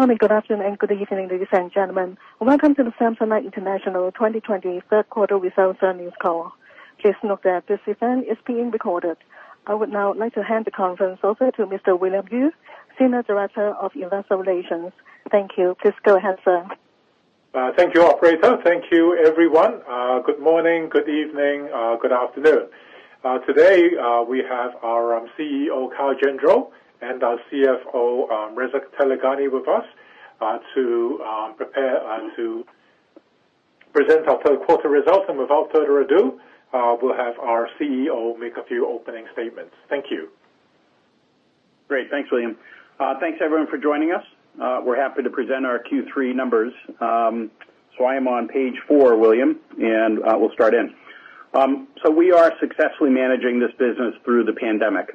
Good morning, good afternoon, and good evening, ladies and gentlemen. Welcome to the Samsonite International 2020 Q3 results earnings call. Please note that this event is being recorded. I would now like to hand the conference over to Mr. William Yue, Senior Director of Investor Relations. Thank you. Please go ahead, sir. Thank you, operator. Thank you, everyone. Good morning, good evening, good afternoon. Today, we have our CEO, Kyle Gendreau, and our CFO, Reza Taleghani, with us to present our Q3 results. Without further ado, we'll have our CEO make a few opening statements. Thank you. Great. Thanks, William. Thanks everyone for joining us. We're happy to present our Q3 numbers. I am on page four, William, and we'll start in. We are successfully managing this business through the pandemic.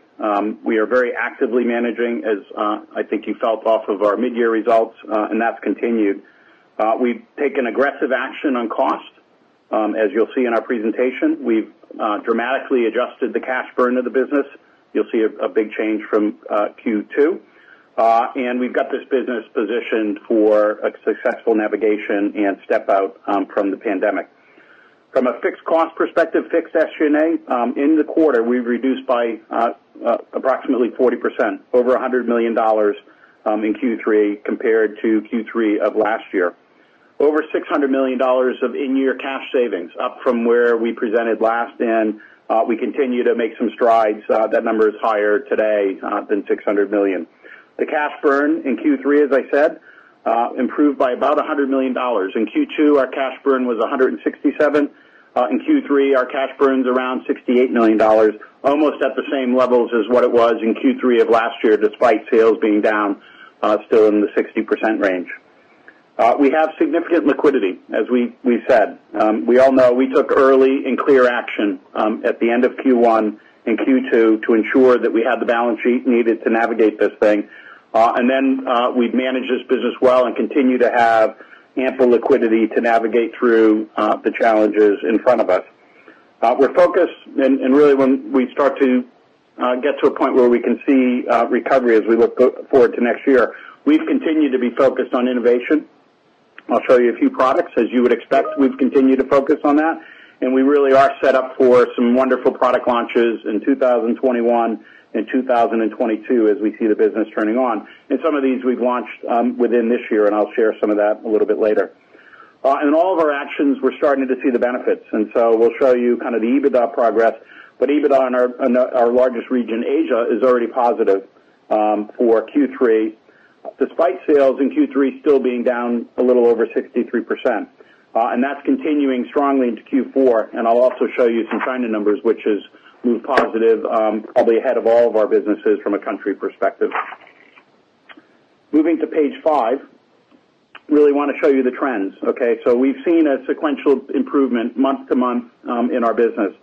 We are very actively managing as I think you felt off of our mid-year results, and that's continued. We've taken aggressive action on cost. As you'll see in our presentation, we've dramatically adjusted the cash burn of the business. You'll see a big change from Q2. We've got this business positioned for a successful navigation and step out from the pandemic. From a fixed cost perspective, fixed SG&A, in the quarter, we've reduced by approximately 40%, over $100 million in Q3 compared to Q3 of last year. Over $600 million of in-year cash savings, up from where we presented last, and we continue to make some strides. That number is higher today than $600 million. The cash burn in Q3, as I said, improved by about $100 million. In Q2, our cash burn was $167. In Q3, our cash burn's around $68 million, almost at the same levels as what it was in Q3 of last year, despite sales being down still in the 60% range. We have significant liquidity, as we said. We all know we took early and clear action at the end of Q1 and Q2 to ensure that we had the balance sheet needed to navigate this thing. We've managed this business well and continue to have ample liquidity to navigate through the challenges in front of us. We're focused, and really when we start to get to a point where we can see recovery as we look forward to next year, we've continued to be focused on innovation. I'll show you a few products. As you would expect, we've continued to focus on that, and we really are set up for some wonderful product launches in 2021 and 2022 as we see the business turning on. Some of these we've launched within this year, and I'll share some of that a little bit later. In all of our actions, we're starting to see the benefits, we'll show you the EBITDA progress. EBITDA in our largest region, Asia, is already positive for Q3, despite sales in Q3 still being down a little over 63%. That's continuing strongly into Q4. I'll also show you some China numbers, which has moved positive, probably ahead of all of our businesses from a country perspective. Moving to page five, really want to show you the trends. Okay? We've seen a sequential improvement month-to-month in our business.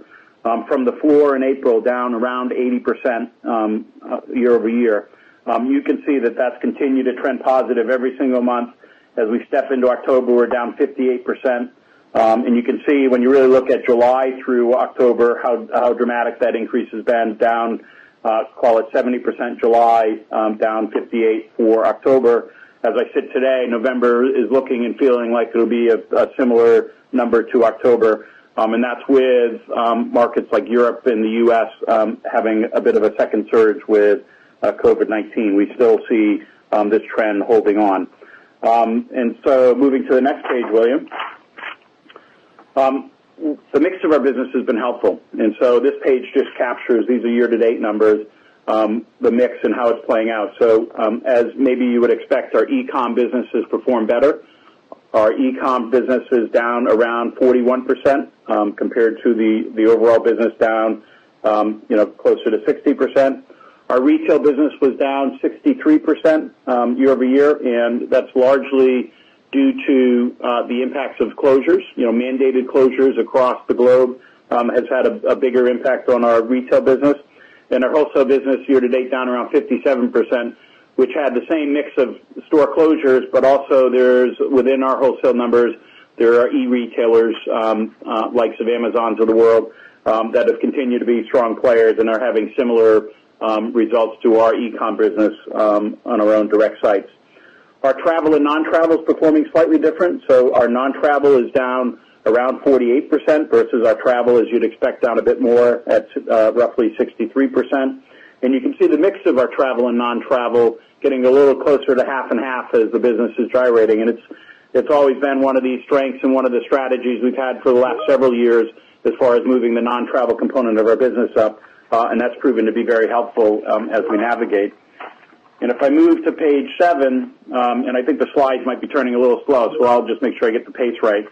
From the floor in April down around 80% year-over-year. You can see that that's continued to trend positive every single month. As we step into October, we're down 58%. You can see when you really look at July through October, how dramatic that increase has been, down, call it 70% July, down 58% for October. As I sit today, November is looking and feeling like it'll be a similar number to October. That's with markets like Europe and the U.S. having a bit of a second surge with COVID-19. We still see this trend holding on. Moving to the next page, William. The mix of our business has been helpful. This page just captures, these are year-to-date numbers, the mix and how it's playing out. As maybe you would expect, our e-com businesses perform better. Our e-com business is down around 41%, compared to the overall business down closer to 60%. Our retail business was down 63% year-over-year, and that's largely due to the impacts of closures. Mandated closures across the globe has had a bigger impact on our retail business. Our wholesale business year-to-date down around 57%, which had the same mix of store closures, but also within our wholesale numbers, there are e-retailers likes of Amazons of the world that have continued to be strong players and are having similar results to our e-com business on our own direct sites. Our travel and non-travel is performing slightly different. Our non-travel is down around 48%, versus our travel, as you'd expect, down a bit more at roughly 63%. You can see the mix of our travel and non-travel getting a little closer to half and half as the business is gyrating. It's always been one of the strengths and one of the strategies we've had for the last several years as far as moving the non-travel component of our business up, and that's proven to be very helpful as we navigate. If I move to page seven, and I think the slides might be turning a little slow, so I'll just make sure I get the pace right.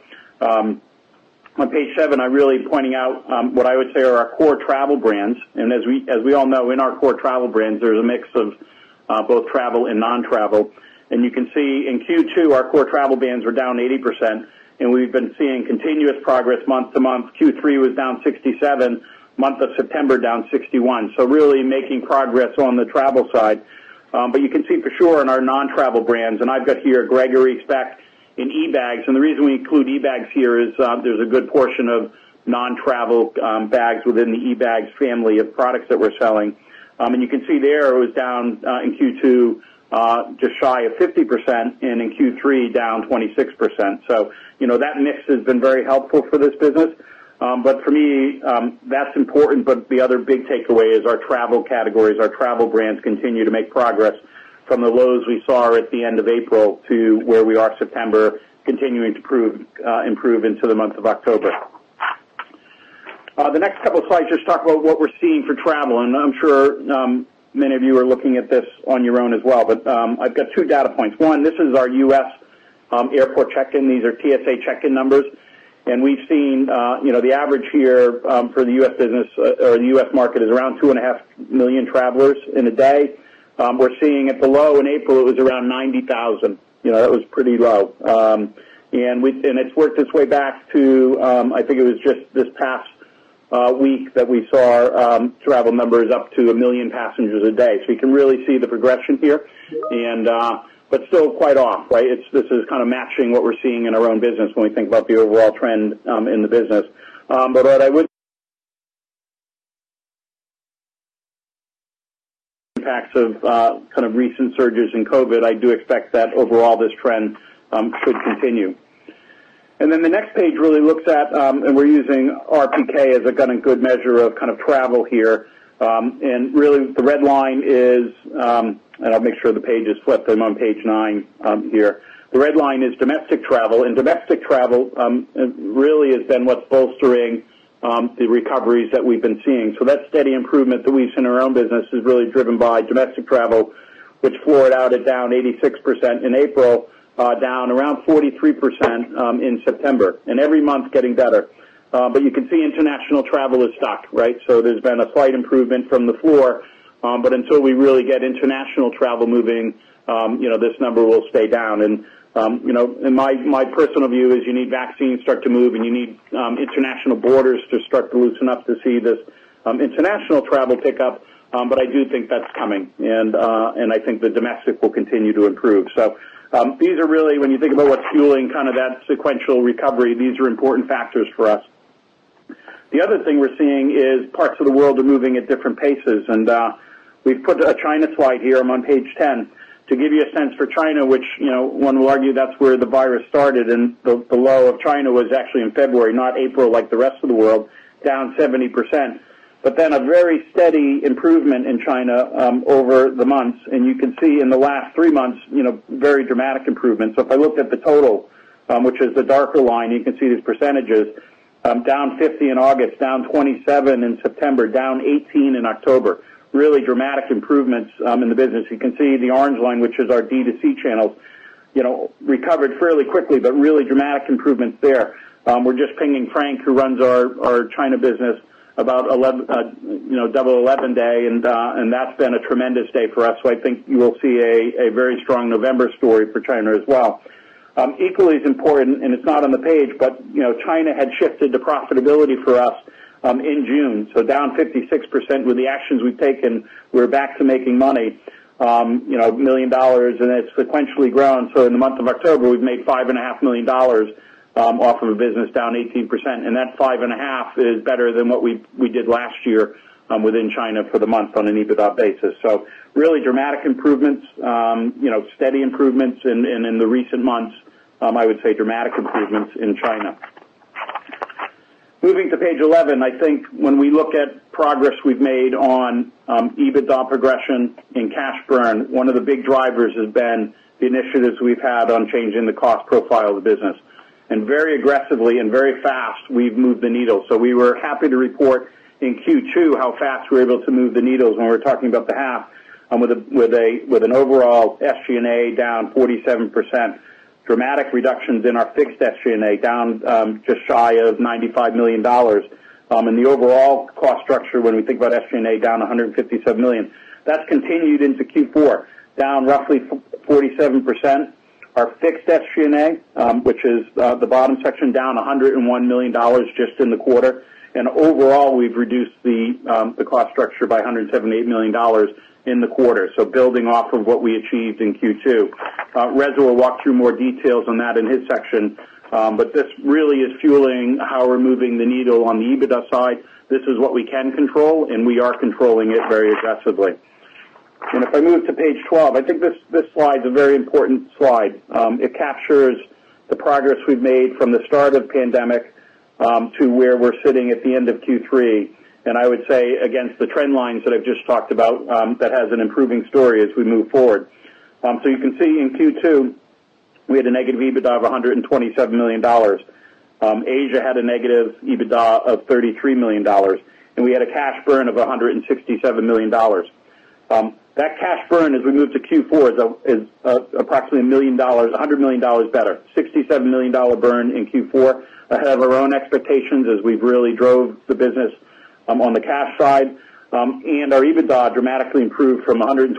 On page seven, I'm really pointing out what I would say are our core travel brands. As we all know, in our core travel brands, there's a mix of both travel and non-travel. You can see in Q2, our core travel brands were down 80%, and we've been seeing continuous progress month-to-month. Q3 was down 67%, month of September down 61%. Really making progress on the travel side. You can see for sure in our non-travel brands, and I've got here Gregory Packs, eBags, and the reason we include eBags here is there's a good portion of non-travel bags within the eBags family of products that we're selling. You can see there it was down in Q2, just shy of 50%, and in Q3, down 26%. That mix has been very helpful for this business. For me, that's important, but the other big takeaway is our travel categories. Our travel brands continue to make progress from the lows we saw at the end of April to where we are September, continuing to improve into the month of October. The next couple of slides just talk about what we're seeing for travel. I'm sure many of you are looking at this on your own as well. I've got two data points. One, this is our U.S. airport check-in. These are TSA check-in numbers. We've seen the average here for the U.S. market is around 2.5 million travelers in a day. We're seeing at the low in April, it was around 90,000. That was pretty low. It's worked its way back to, I think it was just this past week that we saw our travel numbers up to one million passengers a day. You can really see the progression here. Still quite off, right. This is kind of matching what we're seeing in our own business when we think about the overall trend in the business. Impacts of recent surges in COVID, I do expect that overall, this trend should continue. The next page really looks at, we're using RPK as a good measure of travel here. The red line is, I'll make sure the page is flipped. I'm on page nine here. The red line is domestic travel, domestic travel really has been what's bolstering the recoveries that we've been seeing. That steady improvement that we've seen in our own business is really driven by domestic travel, which floored out at down 86% in April, down around 43% in September. Every month getting better. You can see international travel is stuck, right? There's been a slight improvement from the floor. Until we really get international travel moving, this number will stay down. My personal view is you need vaccines start to move, and you need international borders to start to loosen up to see this international travel pick up. I do think that's coming, and I think the domestic will continue to improve. These are really, when you think about what's fueling that sequential recovery, these are important factors for us. The other thing we're seeing is parts of the world are moving at different paces, and we've put a China slide here. I'm on page 10. To give you a sense for China, which one will argue that's where the virus started, and the low of China was actually in February, not April, like the rest of the world, down 70%. A very steady improvement in China over the months. You can see in the last three months, very dramatic improvements. If I looked at the total, which is the darker line, you can see these percentages. Down 50% in August, down 27% in September, down 18% in October. Really dramatic improvements in the business. You can see the orange line, which is our D2C channels, recovered fairly quickly, but really dramatic improvements there. We're just pinging Frank, who runs our China business, about Double 11 Day, and that's been a tremendous day for us. I think you will see a very strong November story for China as well. Equally as important, it's not on the page, China had shifted to profitability for us in June. Down 56% with the actions we've taken, we're back to making money. $1 million, it's sequentially grown. In the month of October, we've made $5.5 million off of a business down 18%. That 5.5 is better than what we did last year within China for the month on an EBITDA basis. Really dramatic improvements, steady improvements in the recent months. I would say dramatic improvements in China. Moving to page 11, I think when we look at progress we've made on EBITDA progression and cash burn, one of the big drivers has been the initiatives we've had on changing the cost profile of the business. Very aggressively and very fast, we've moved the needle. We were happy to report in Q2 how fast we were able to move the needles when we were talking about the half with an overall SG&A down 47%. Dramatic reductions in our fixed SG&A, down just shy of $95 million. The overall cost structure, when we think about SG&A, down $157 million. That's continued into Q4, down roughly 47%. Our fixed SG&A, which is the bottom section, down $101 million just in the quarter. Overall, we've reduced the cost structure by $178 million in the quarter. Building off of what we achieved in Q2. Reza will walk through more details on that in his section. This really is fueling how we're moving the needle on the EBITDA side. This is what we can control, and we are controlling it very aggressively. If I move to page 12, I think this slide's a very important slide. It captures the progress we've made from the start of pandemic to where we're sitting at the end of Q3. I would say against the trend lines that I've just talked about, that has an improving story as we move forward. You can see in Q2, we had a negative EBITDA of $127 million. Asia had a negative EBITDA of $33 million, and we had a cash burn of $167 million. That cash burn, as we move to Q4, is approximately $100 million better. $67 million burn in Q4, ahead of our own expectations as we've really drove the business on the cash side. Our EBITDA dramatically improved from $127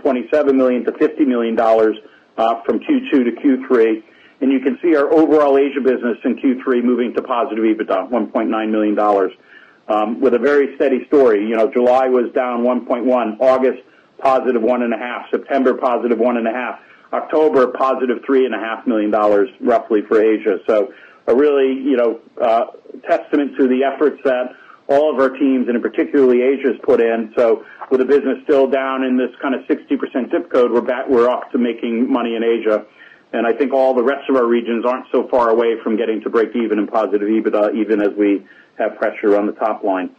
million to $50 million from Q2 to Q3. You can see our overall Asia business in Q3 moving to positive EBITDA, $1.9 million. With a very steady story. July was down 1.1, August, +1.5, September, +1.5, October, positive $3.5 million roughly for Asia. A really testament to the efforts that all of our teams, and particularly Asia, has put in. With the business still down in this kind of 60% ZIP Code, we're off to making money in Asia. I think all the rest of our regions aren't so far away from getting to break even and positive EBITDA, even as we have pressure on the top line.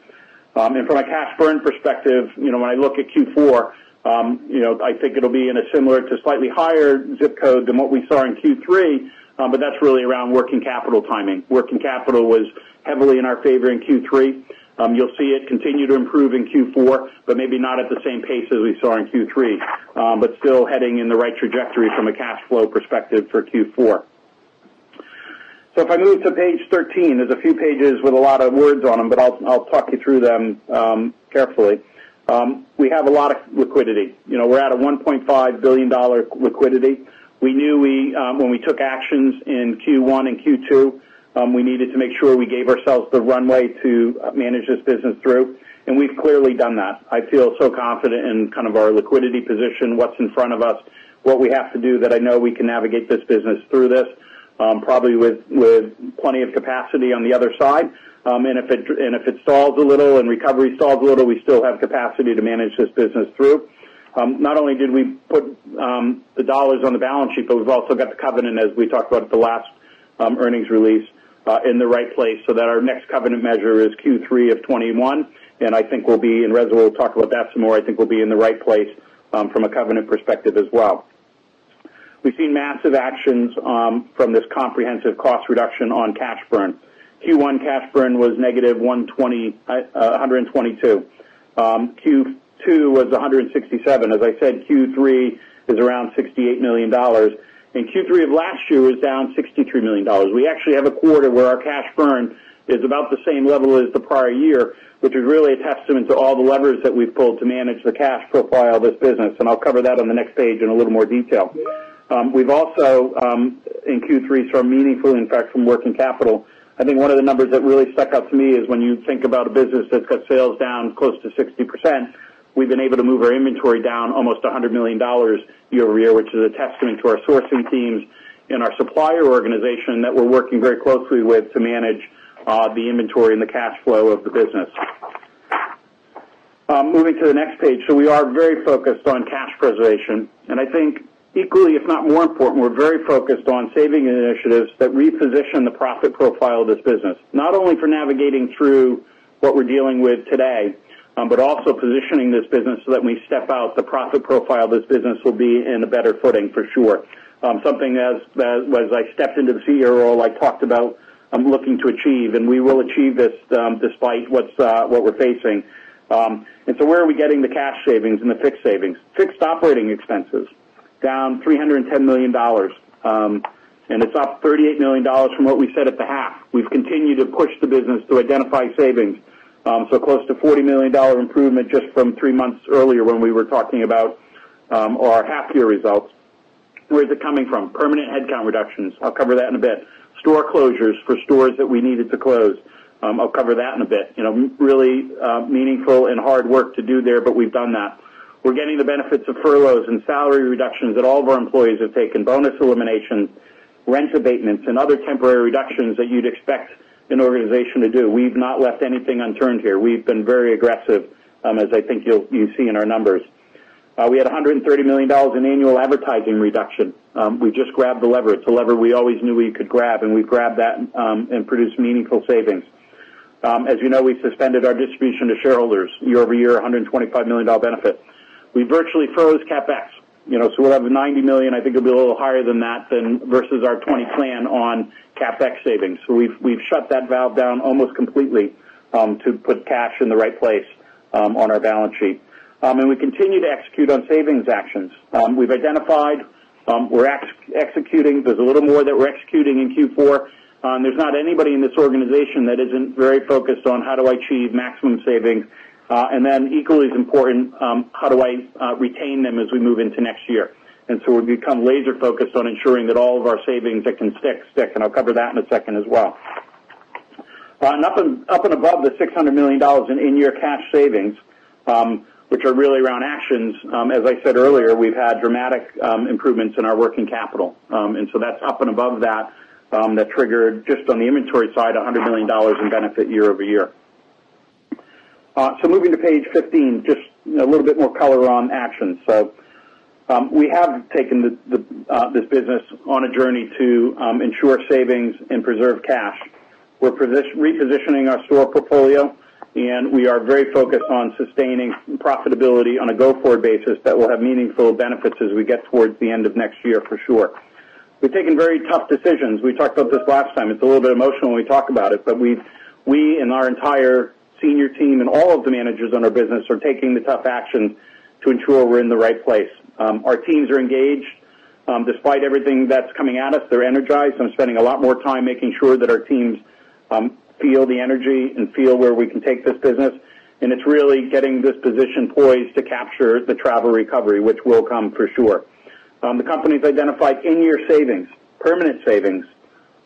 From a cash burn perspective, when I look at Q4, I think it'll be in a similar to slightly higher ZIP Code than what we saw in Q3. That's really around working capital timing. Working capital was heavily in our favor in Q3. You'll see it continue to improve in Q4, but maybe not at the same pace as we saw in Q3. Still heading in the right trajectory from a cash flow perspective for Q4. If I move to page 13, there's a few pages with a lot of words on them, but I'll talk you through them carefully. We have a lot of liquidity. We're at a $1.5 billion liquidity. We knew when we took actions in Q1 and Q2, we needed to make sure we gave ourselves the runway to manage this business through, and we've clearly done that. I feel so confident in our liquidity position, what's in front of us, what we have to do that I know we can navigate this business through this, probably with plenty of capacity on the other side. If it stalls a little and recovery stalls a little, we still have capacity to manage this business through. Not only did we put the dollars on the balance sheet, but we've also got the covenant, as we talked about at the last earnings release, in the right place so that our next covenant measure is Q3 of 2021, and Reza will talk about that some more. I think we'll be in the right place from a covenant perspective as well. We've seen massive actions from this comprehensive cost reduction on cash burn. Q1 cash burn was -$122 million. Q2 was $167 million. As I said, Q3 is around $68 million, and Q3 of last year was down $63 million. We actually have a quarter where our cash burn is about the same level as the prior year, which is really a testament to all the levers that we've pulled to manage the cash profile of this business, and I'll cover that on the next page in a little more detail. We've also, in Q3, saw meaningful impact from working capital. I think one of the numbers that really stuck out to me is when you think about a business that's got sales down close to 60%, we've been able to move our inventory down almost $100 million year-over-year, which is a testament to our sourcing teams and our supplier organization that we're working very closely with to manage the inventory and the cash flow of the business. Moving to the next page. We are very focused on cash preservation, and I think equally, if not more important, we're very focused on saving initiatives that reposition the profit profile of this business, not only for navigating through what we're dealing with today, but also positioning this business so that when we step out the profit profile of this business will be in a better footing for sure. Something as I stepped into the CEO role, I talked about looking to achieve. We will achieve this despite what we're facing. Where are we getting the cash savings and the fixed savings? Fixed operating expenses, down $310 million, and it's up $38 million from what we said at the half. We've continued to push the business to identify savings. Close to $40 million improvement just from three months earlier when we were talking about our half year results. Where is it coming from? Permanent headcount reductions. I'll cover that in a bit. Store closures for stores that we needed to close. I'll cover that in a bit. Really meaningful and hard work to do there, but we've done that. We're getting the benefits of furloughs and salary reductions that all of our employees have taken, bonus elimination, rent abatements, and other temporary reductions that you'd expect an organization to do. We've not left anything unturned here. We've been very aggressive, as I think you'll see in our numbers. We had $130 million in annual advertising reduction. We just grabbed the lever. It's a lever we always knew we could grab, and we grabbed that and produced meaningful savings. As you know, we suspended our distribution to shareholders year over year, $125 million benefit. We virtually froze CapEx. We'll have the $90 million, I think it'll be a little higher than that versus our 2020 plan on CapEx savings. We've shut that valve down almost completely to put cash in the right place on our balance sheet. We continue to execute on savings actions. We've identified, we're executing. There's a little more that we're executing in Q4. There's not anybody in this organization that isn't very focused on how do I achieve maximum savings. Equally as important, how do I retain them as we move into next year. We've become laser focused on ensuring that all of our savings that can stick, and I'll cover that in a second as well. Up and above the $600 million in in-year cash savings, which are really around actions, as I said earlier, we've had dramatic improvements in our working capital. That's up and above that triggered just on the inventory side, $100 million in benefit year-over-year. Moving to page 15, just a little bit more color on actions. We have taken this business on a journey to ensure savings and preserve cash. We're repositioning our store portfolio, and we are very focused on sustaining profitability on a go forward basis that will have meaningful benefits as we get towards the end of next year for sure. We've taken very tough decisions. We talked about this last time. It's a little bit emotional when we talk about it, but we and our entire senior team and all of the managers in our business are taking the tough action to ensure we're in the right place. Our teams are engaged. Despite everything that's coming at us, they're energized. I'm spending a lot more time making sure that our teams feel the energy and feel where we can take this business, and it's really getting this position poised to capture the travel recovery, which will come for sure. The company's identified in-year savings, permanent savings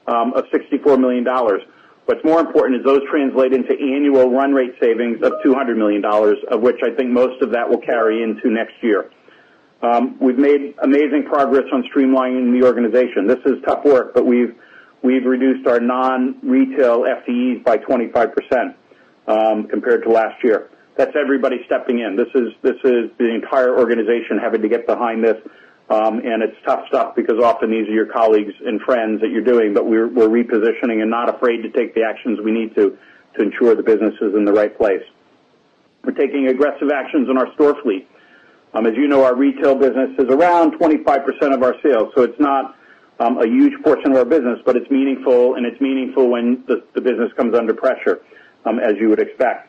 of $64 million. What's more important is those translate into annual run rate savings of $200 million, of which I think most of that will carry into next year. We've made amazing progress on streamlining the organization. This is tough work, but we've reduced our non-retail FTEs by 25% compared to last year. That's everybody stepping in. This is the entire organization having to get behind this, and it's tough stuff because often these are your colleagues and friends that you're doing, but we're repositioning and not afraid to take the actions we need to ensure the business is in the right place. We're taking aggressive actions on our store fleet. As you know, our retail business is around 25% of our sales, so it's not a huge portion of our business, but it's meaningful, and it's meaningful when the business comes under pressure, as you would expect.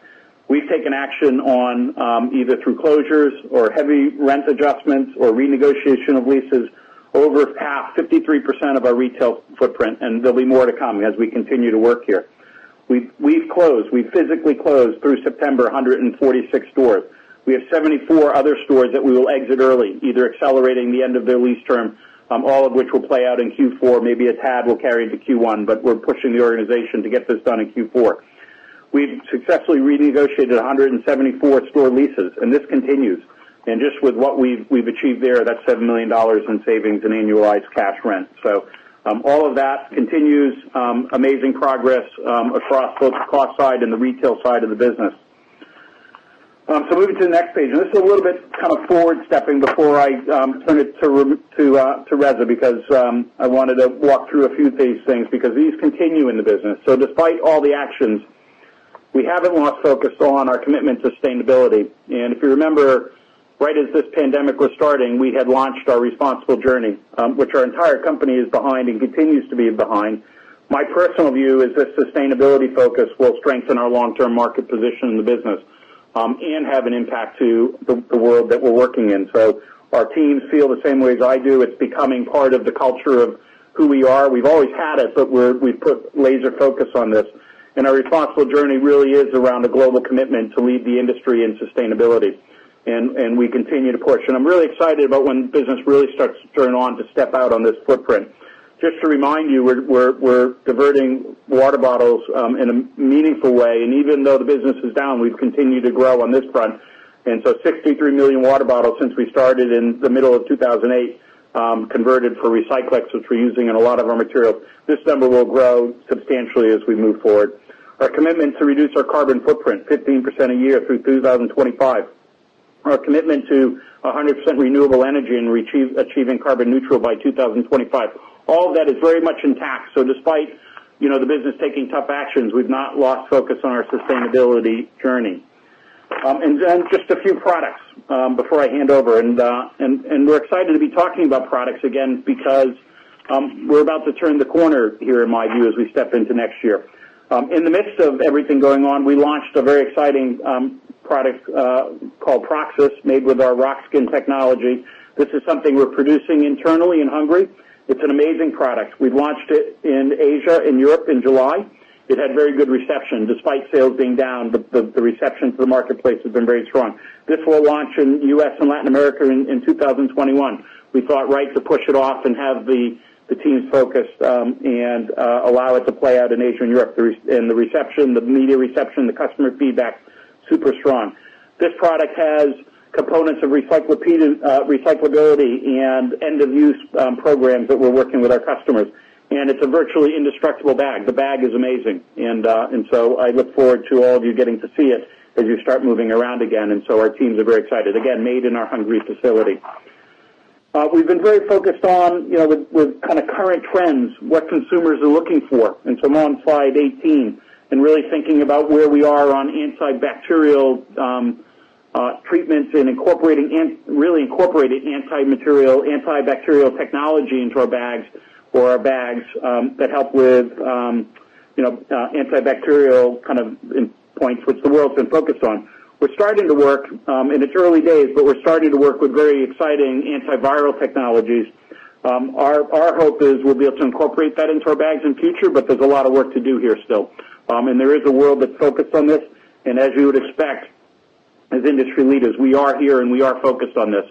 We've taken action on, either through closures or heavy rent adjustments or renegotiation of leases over half, 53% of our retail footprint, and there'll be more to come as we continue to work here. We've closed, we physically closed through September, 146 stores. We have 74 other stores that we will exit early, either accelerating the end of their lease term, all of which will play out in Q4, maybe a tad will carry to Q1, but we're pushing the organization to get this done in Q4. We've successfully renegotiated 174 store leases. This continues. Just with what we've achieved there, that's $7 million in savings in annualized cash rent. All of that continues. Amazing progress across both the cost side and the retail side of the business. Moving to the next page, and this is a little bit forward stepping before I turn it to Reza, because I wanted to walk through a few of these things because these continue in the business. Despite all the actions, we haven't lost focus on our commitment to sustainability. If you remember, right as this pandemic was starting, we had launched our Responsible Journey, which our entire company is behind and continues to be behind. My personal view is this sustainability focus will strengthen our long-term market position in the business, and have an impact to the world that we're working in. Our teams feel the same way as I do. It's becoming part of the culture of who we are. We've always had it, but we've put laser focus on this, and our responsible journey really is around a global commitment to lead the industry in sustainability, and we continue to push. I'm really excited about when business really starts to turn on to step out on this footprint. Just to remind you, we're diverting water bottles in a meaningful way, and even though the business is down, we've continued to grow on this front. 63 million water bottles since we started in the middle of 2008, converted for Recyclex, which we're using in a lot of our materials. This number will grow substantially as we move forward. Our commitment to reduce our carbon footprint 15% a year through 2025. Our commitment to 100% renewable energy and achieving carbon neutral by 2025. All of that is very much intact. Despite the business taking tough actions, we've not lost focus on our sustainability journey. Just a few products before I hand over. We're excited to be talking about products again because we're about to turn the corner here, in my view, as we step into next year. In the midst of everything going on, we launched a very exciting product called Proxis, made with our Roxkin technology. This is something we're producing internally in Hungary. It's an amazing product. We've launched it in Asia, in Europe in July. It had very good reception. Despite sales being down, the reception from the marketplace has been very strong. This will launch in U.S. and Latin America in 2021. We thought right to push it off and have the teams focused, and allow it to play out in Asia and Europe. The reception, the media reception, the customer feedback, super strong. This product has components of recyclability and end-of-use programs that we're working with our customers. It's a virtually indestructible bag. The bag is amazing. I look forward to all of you getting to see it as you start moving around again. Our teams are very excited. Again, made in our Hungary facility. We've been very focused on with kind of current trends, what consumers are looking for. I'm on slide 18, and really thinking about where we are on antibacterial treatments and really incorporating antibacterial technology into our bags or our bags that help with antibacterial kind of points, which the world's been focused on. We're starting to work, and it's early days, but we're starting to work with very exciting antiviral technologies. Our hope is we'll be able to incorporate that into our bags in future, but there's a lot of work to do here still. There is a world that's focused on this, and as you would expect, as industry leaders, we are here, and we are focused on this.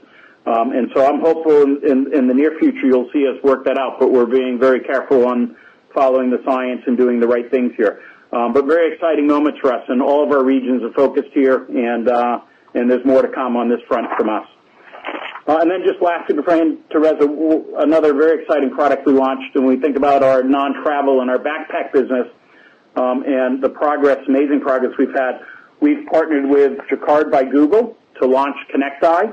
I'm hopeful in the near future, you'll see us work that out, but we're being very careful on following the science and doing the right things here. Very exciting moments for us, and all of our regions are focused here, and there's more to come on this front from us. Just last thing before I hand to Reza, another very exciting product we launched when we think about our non-travel and our backpack business, and the progress, amazing progress we've had. We've partnered with Jacquard by Google to launch Konnect-i,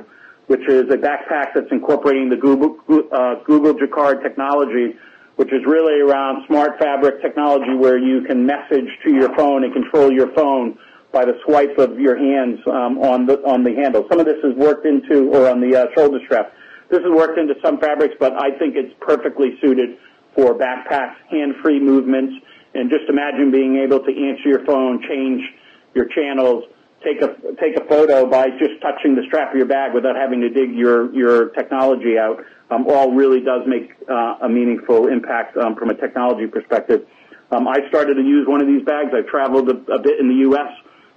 which is a backpack that's incorporating the Jacquard by Google technology, which is really around smart fabric technology where you can message to your phone and control your phone by the swipe of your hands on the handle. Some of this is worked into or on the shoulder strap. This is worked into some fabrics, I think it's perfectly suited for backpacks, hands-free movements. Just imagine being able to answer your phone, change your channels, take a photo by just touching the strap of your bag without having to dig your technology out. All really does make a meaningful impact from a technology perspective. I started to use one of these bags. I've traveled a bit in the U.S.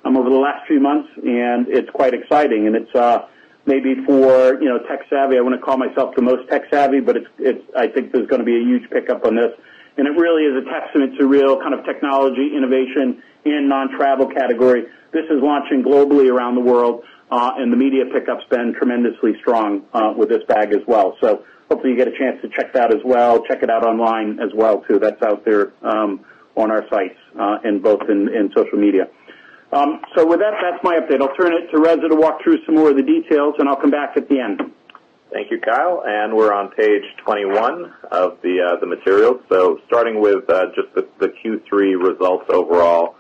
over the last few months. It's quite exciting. It's maybe for tech-savvy. I wouldn't call myself the most tech-savvy, but I think there's going to be a huge pickup on this. It really is a tech, so it's a real technology innovation in non-travel category. This is launching globally around the world, and the media pickup's been tremendously strong with this bag as well. Hopefully you get a chance to check that as well. Check it out online as well, too. That's out there on our sites and both in social media. With that's my update. I'll turn it to Reza to walk through some more of the details, and I'll come back at the end. Thank you, Kyle. We're on page 21 of the materials. Starting with just the Q3 results overall.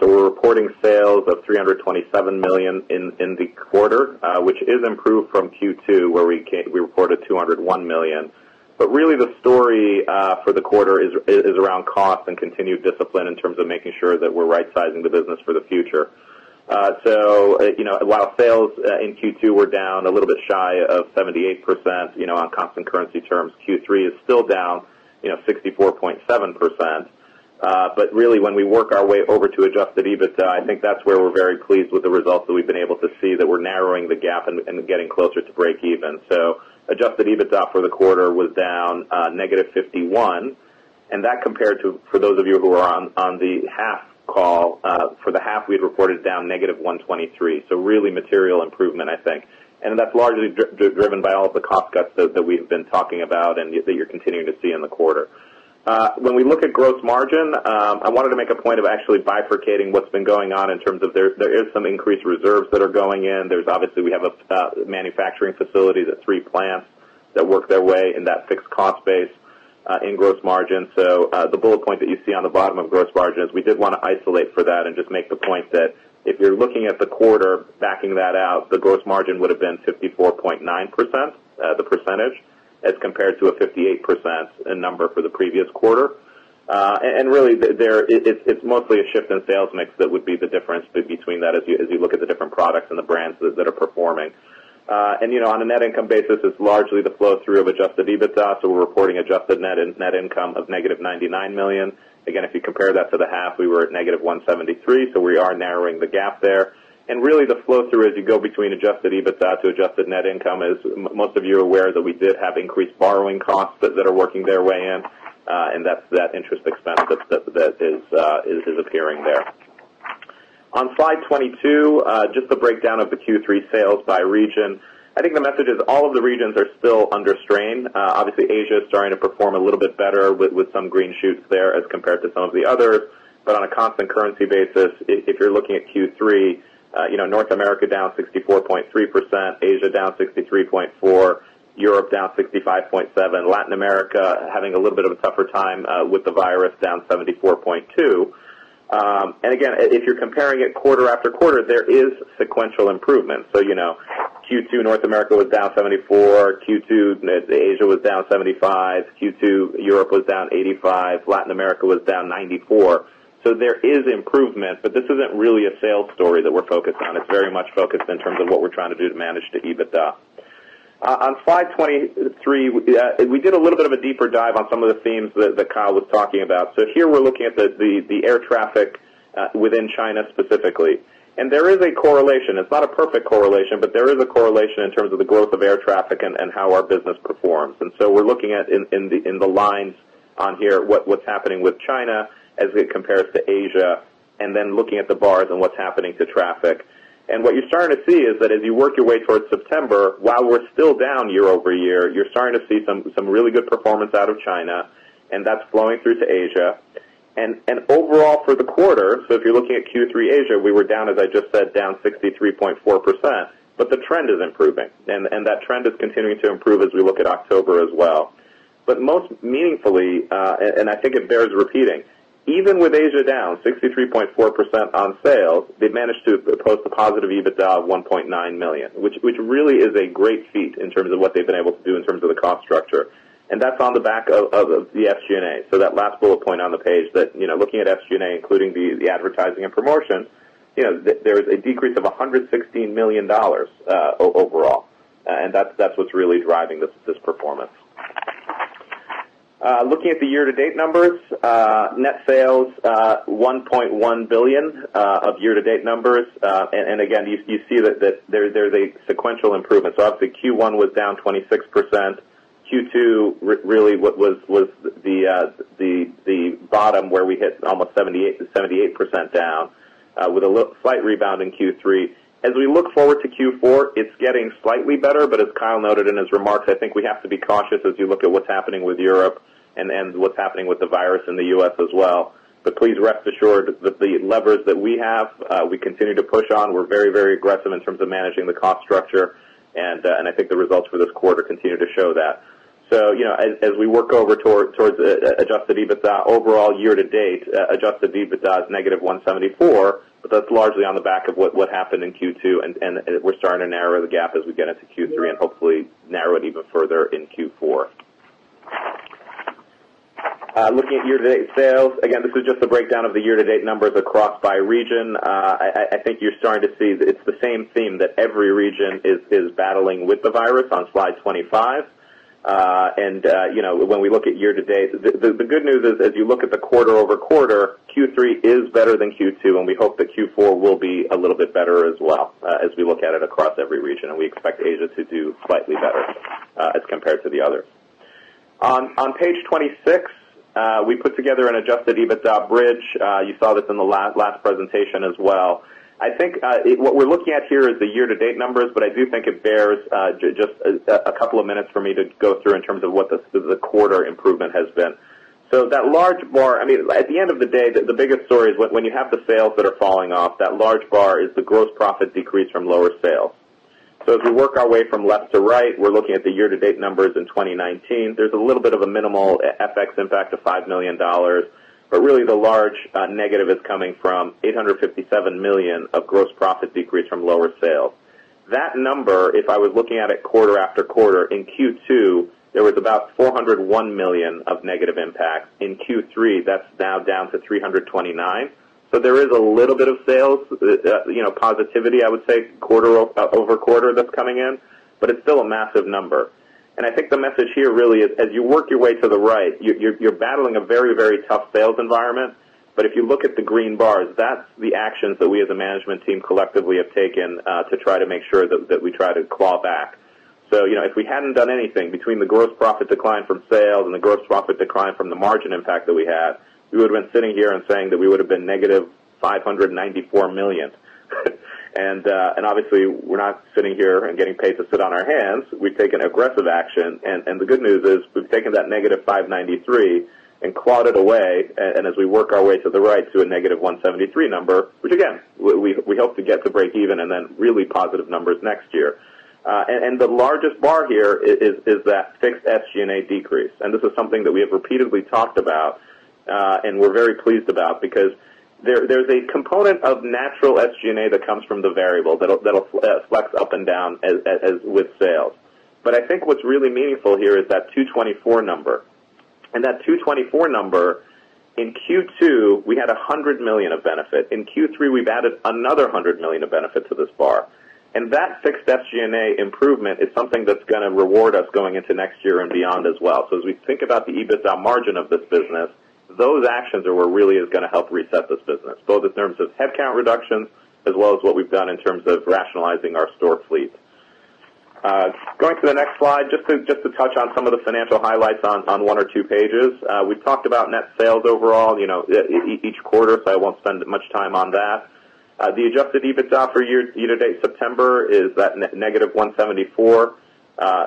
We're reporting sales of $327 million in the quarter, which is improved from Q2, where we reported $201 million. Really the story for the quarter is around cost and continued discipline in terms of making sure that we're rightsizing the business for the future. While sales in Q2 were down a little bit shy of 78% on constant currency terms, Q3 is still down 64.7%. Really when we work our way over to adjusted EBITDA, I think that's where we're very pleased with the results that we've been able to see that we're narrowing the gap and getting closer to breakeven. Adjusted EBITDA for the quarter was down -51%, and that compared to, for those of you who were on the half call, for the half we had reported down -123%. Really material improvement, I think. That's largely driven by all of the cost cuts that we've been talking about and that you're continuing to see in the quarter. When we look at gross margin, I wanted to make a point of actually bifurcating what's been going on in terms of there is some increased reserves that are going in. Obviously we have a manufacturing facility, the three plants that work their way in that fixed cost base in gross margin. The bullet point that you see on the bottom of gross margin is we did want to isolate for that and just make the point that if you're looking at the quarter backing that out, the gross margin would've been 54.9%, the percentage, as compared to a 58% number for the previous quarter. Really, it's mostly a shift in sales mix that would be the difference between that as you look at the different products and the brands that are performing. On a net income basis, it's largely the flow through of adjusted EBITDA, so we're reporting adjusted net income of -$99 million. If you compare that to the half, we were at -$173 million, so we are narrowing the gap there. Really the flow through as you go between adjusted EBITDA to adjusted net income is most of you are aware that we did have increased borrowing costs that are working their way in, and that interest expense that is appearing there. On slide 22, just the breakdown of the Q3 sales by region. I think the message is all of the regions are still under strain. Obviously Asia is starting to perform a little bit better with some green shoots there as compared to some of the others. On a constant currency basis, if you're looking at Q3, North America down 64.3%, Asia down 63.4%, Europe down 65.7%, Latin America having a little bit of a tougher time with the virus down 74.2%. Again, if you're comparing it quarter after quarter, there is sequential improvement. Q2 North America was down 74%. Q2 Asia was down 75%. Q2 Europe was down 85%. Latin America was down 94%. There is improvement, but this isn't really a sales story that we're focused on. It's very much focused in terms of what we're trying to do to manage the EBITDA. On slide 23, we did a little bit of a deeper dive on some of the themes that Kyle was talking about. Here we're looking at the air traffic within China specifically. There is a correlation. It's not a perfect correlation, but there is a correlation in terms of the growth of air traffic and how our business performs. We're looking at in the lines on here what's happening with China as it compares to Asia, and then looking at the bars and what's happening to traffic. What you're starting to see is that as you work your way towards September, while we're still down year-over-year, you're starting to see some really good performance out of China, and that's flowing through to Asia. Overall for the quarter, so if you're looking at Q3 Asia, we were down, as I just said, down 63.4%, the trend is improving. That trend is continuing to improve as we look at October as well. Most meaningfully, and I think it bears repeating, even with Asia down 63.4% on sales, they've managed to post a positive EBITDA of $1.9 million, which really is a great feat in terms of what they've been able to do in terms of the cost structure. That's on the back of the SG&A. That last bullet point on the page that looking at SG&A including the advertising and promotion, there is a decrease of $116 million overall. That's what's really driving this performance. Looking at the year-to-date numbers, net sales $1.1 billion of year-to-date numbers. Again, you see that there's a sequential improvement. Obviously Q1 was down 26%. Q2 really was the bottom where we hit almost 78% down with a slight rebound in Q3. As we look forward to Q4, it's getting slightly better, but as Kyle noted in his remarks, I think we have to be cautious as you look at what's happening with Europe and what's happening with the virus in the U.S. as well. Please rest assured that the levers that we have, we continue to push on. We're very aggressive in terms of managing the cost structure, and I think the results for this quarter continue to show that. As we work over towards adjusted EBITDA overall year to date, adjusted EBITDA is negative $174, but that's largely on the back of what happened in Q2, and we're starting to narrow the gap as we get into Q3 and hopefully narrow it even further in Q4. Looking at year-to-date sales, again, this is just a breakdown of the year-to-date numbers across by region. I think you're starting to see it's the same theme that every region is battling with the virus on slide 25. When we look at year-to-date, the good news is as you look at the quarter-over-quarter, Q3 is better than Q2, and we hope that Q4 will be a little bit better as well as we look at it across every region, and we expect Asia to do slightly better as compared to the others. On page 26, we put together an adjusted EBITDA bridge. You saw this in the last presentation as well. I think what we're looking at here is the year-to-date numbers, but I do think it bears just a couple of minutes for me to go through in terms of what the quarter improvement has been. At the end of the day, the biggest story is when you have the sales that are falling off, that large bar is the gross profit decrease from lower sales. As we work our way from left to right, we're looking at the year-to-date numbers in 2019. There's a little bit of a minimal FX impact of $5 million. Really the large negative is coming from $857 million of gross profit decrease from lower sales. That number, if I was looking at it quarter after quarter, in Q2, there was about $401 million of negative impact. In Q3, that's now down to $329 million. There is a little bit of sales positivity, I would say, quarter-over-quarter that's coming in, but it's still a massive number. I think the message here really is as you work your way to the right, you're battling a very tough sales environment. If you look at the green bars, that's the actions that we as a management team collectively have taken to try to make sure that we try to claw back. If we hadn't done anything between the gross profit decline from sales and the gross profit decline from the margin impact that we had, we would have been sitting here and saying that we would have been negative $594 million. Obviously, we're not sitting here and getting paid to sit on our hands. We've taken aggressive action. The good news is we've taken that -$593 and clawed it away, as we work our way to the right to a -$173 number, which again, we hope to get to break even, then really positive numbers next year. The largest bar here is that fixed SG&A decrease. This is something that we have repeatedly talked about, and we're very pleased about because there's a component of natural SG&A that comes from the variable, that'll flex up and down with sales. I think what's really meaningful here is that 224 number. That 224 number, in Q2, we had $100 million of benefit. In Q3, we've added another $100 million of benefit to this bar. That fixed SG&A improvement is something that's going to reward us going into next year and beyond as well. As we think about the EBITDA margin of this business, those actions are what really is going to help reset this business, both in terms of headcount reductions as well as what we've done in terms of rationalizing our store fleet. Going to the next slide, just to touch on some of the financial highlights on one or two pages. We've talked about net sales overall, each quarter, so I won't spend much time on that. The adjusted EBITDA for year-to-date September is that -$174.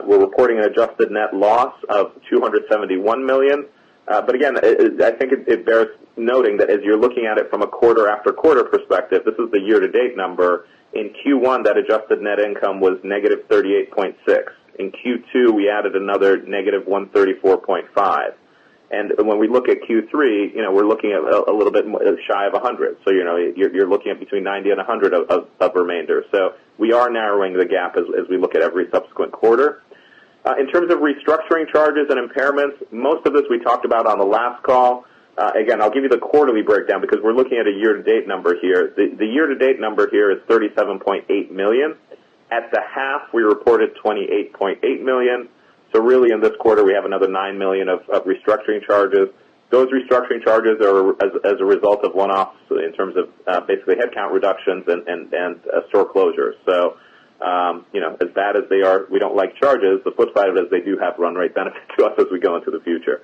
We're reporting an adjusted net loss of $271 million. Again, I think it bears noting that as you're looking at it from a quarter-after-quarter perspective, this is the year-to-date number. In Q1, that adjusted net income was -$38.6. In Q2, we added another -$134.5. When we look at Q3, we're looking at a little bit shy of $100. You're looking at between $90 and $100 of remainder. We are narrowing the gap as we look at every subsequent quarter. In terms of restructuring charges and impairments, most of this we talked about on the last call. Again, I'll give you the quarterly breakdown because we're looking at a year to date number here. The year-to-date number here is $37.8 million. At the half, we reported $28.8 million. Really in this quarter, we have another $9 million of restructuring charges. Those restructuring charges are as a result of one-offs in terms of basically headcount reductions and store closures. As bad as they are, we don't like charges. The flip side is they do have run rate benefit to us as we go into the future.